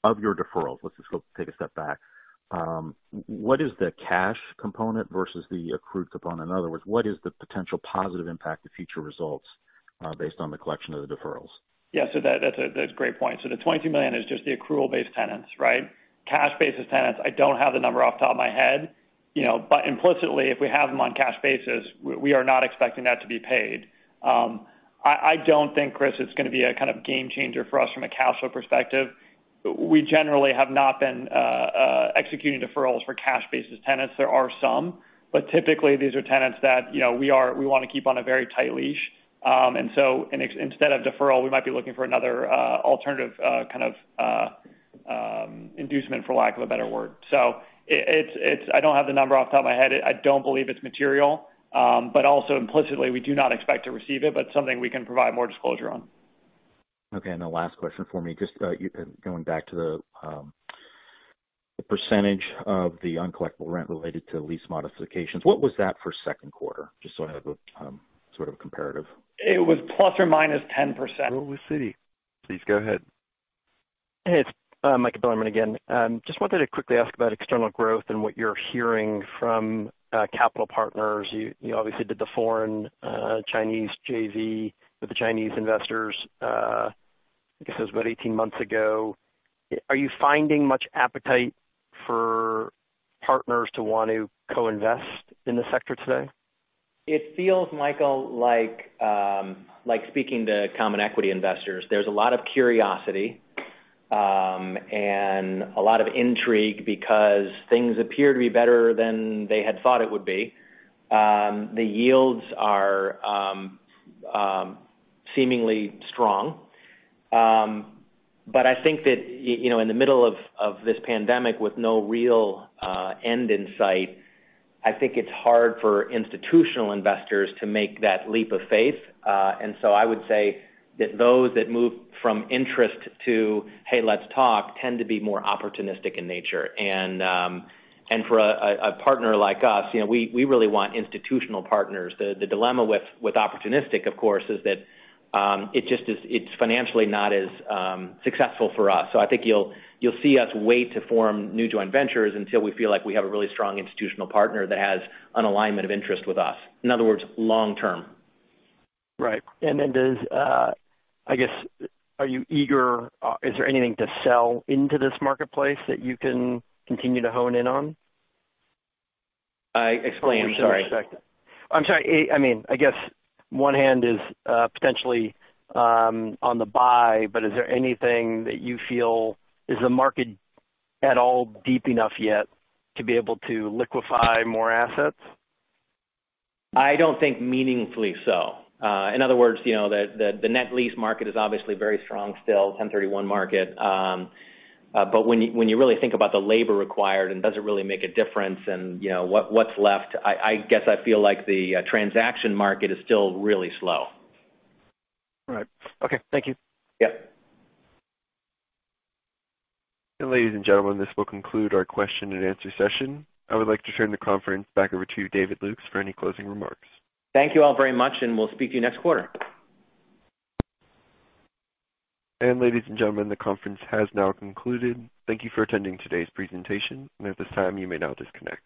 Of your deferrals, let's just go take a step back. What is the cash component versus the accrued component? In other words, what is the potential positive impact to future results based on the collection of the deferrals? Yeah. That's a great point. The $22 million is just the accrual-based tenants, right? Cash basis tenants, I don't have the number off the top of my head. Implicitly, if we have them on cash basis, we are not expecting that to be paid. I don't think, Chris, it's going to be a kind of game changer for us from a cash flow perspective. We generally have not been executing deferrals for cash basis tenants. There are some, but typically these are tenants that we want to keep on a very tight leash. Instead of deferral, we might be looking for another alternative kind of inducement, for lack of a better word. I don't have the number off the top of my head. I don't believe it's material. Also implicitly, we do not expect to receive it, but something we can provide more disclosure on. Okay. The last question for me, just going back to the percentage of the uncollectible rent related to lease modifications. What was that for second quarter? Just so I have a sort of comparative. It was ±10%. With Citi. Please go ahead. Hey, it's Michael Bilerman again. Just wanted to quickly ask about external growth and what you're hearing from capital partners. You obviously did the foreign Chinese JV with the Chinese investors, I guess it was about 18 months ago. Are you finding much appetite for partners to want to co-invest in this sector today? It feels, Michael, like speaking to common equity investors. There's a lot of curiosity and a lot of intrigue because things appear to be better than they had thought it would be. The yields are seemingly strong. I think that in the middle of this pandemic with no real end in sight, I think it's hard for institutional investors to make that leap of faith. I would say that those that move from interest to, "Hey, let's talk," tend to be more opportunistic in nature. For a partner like us, we really want institutional partners. The dilemma with opportunistic, of course, is that it's financially not as successful for us. I think you'll see us wait to form new joint ventures until we feel like we have a really strong institutional partner that has an alignment of interest with us. In other words, long term. Right. Is there anything to sell into this marketplace that you can continue to hone in on? Explain, I'm sorry. I'm sorry. I guess one hand is potentially on the buy. Is there anything that you feel is the market at all deep enough yet to be able to liquefy more assets? I don't think meaningfully so. In other words, the net lease market is obviously very strong still, 1031 market. When you really think about the labor required, and does it really make a difference, and what's left, I guess I feel like the transaction market is still really slow. Right. Okay. Thank you. Yep. Ladies and gentlemen, this will conclude our question and answer session. I would like to turn the conference back over to David Lukes for any closing remarks. Thank you all very much, and we'll speak to you next quarter. Ladies and gentlemen, the conference has now concluded. Thank you for attending today's presentation, and at this time, you may now disconnect.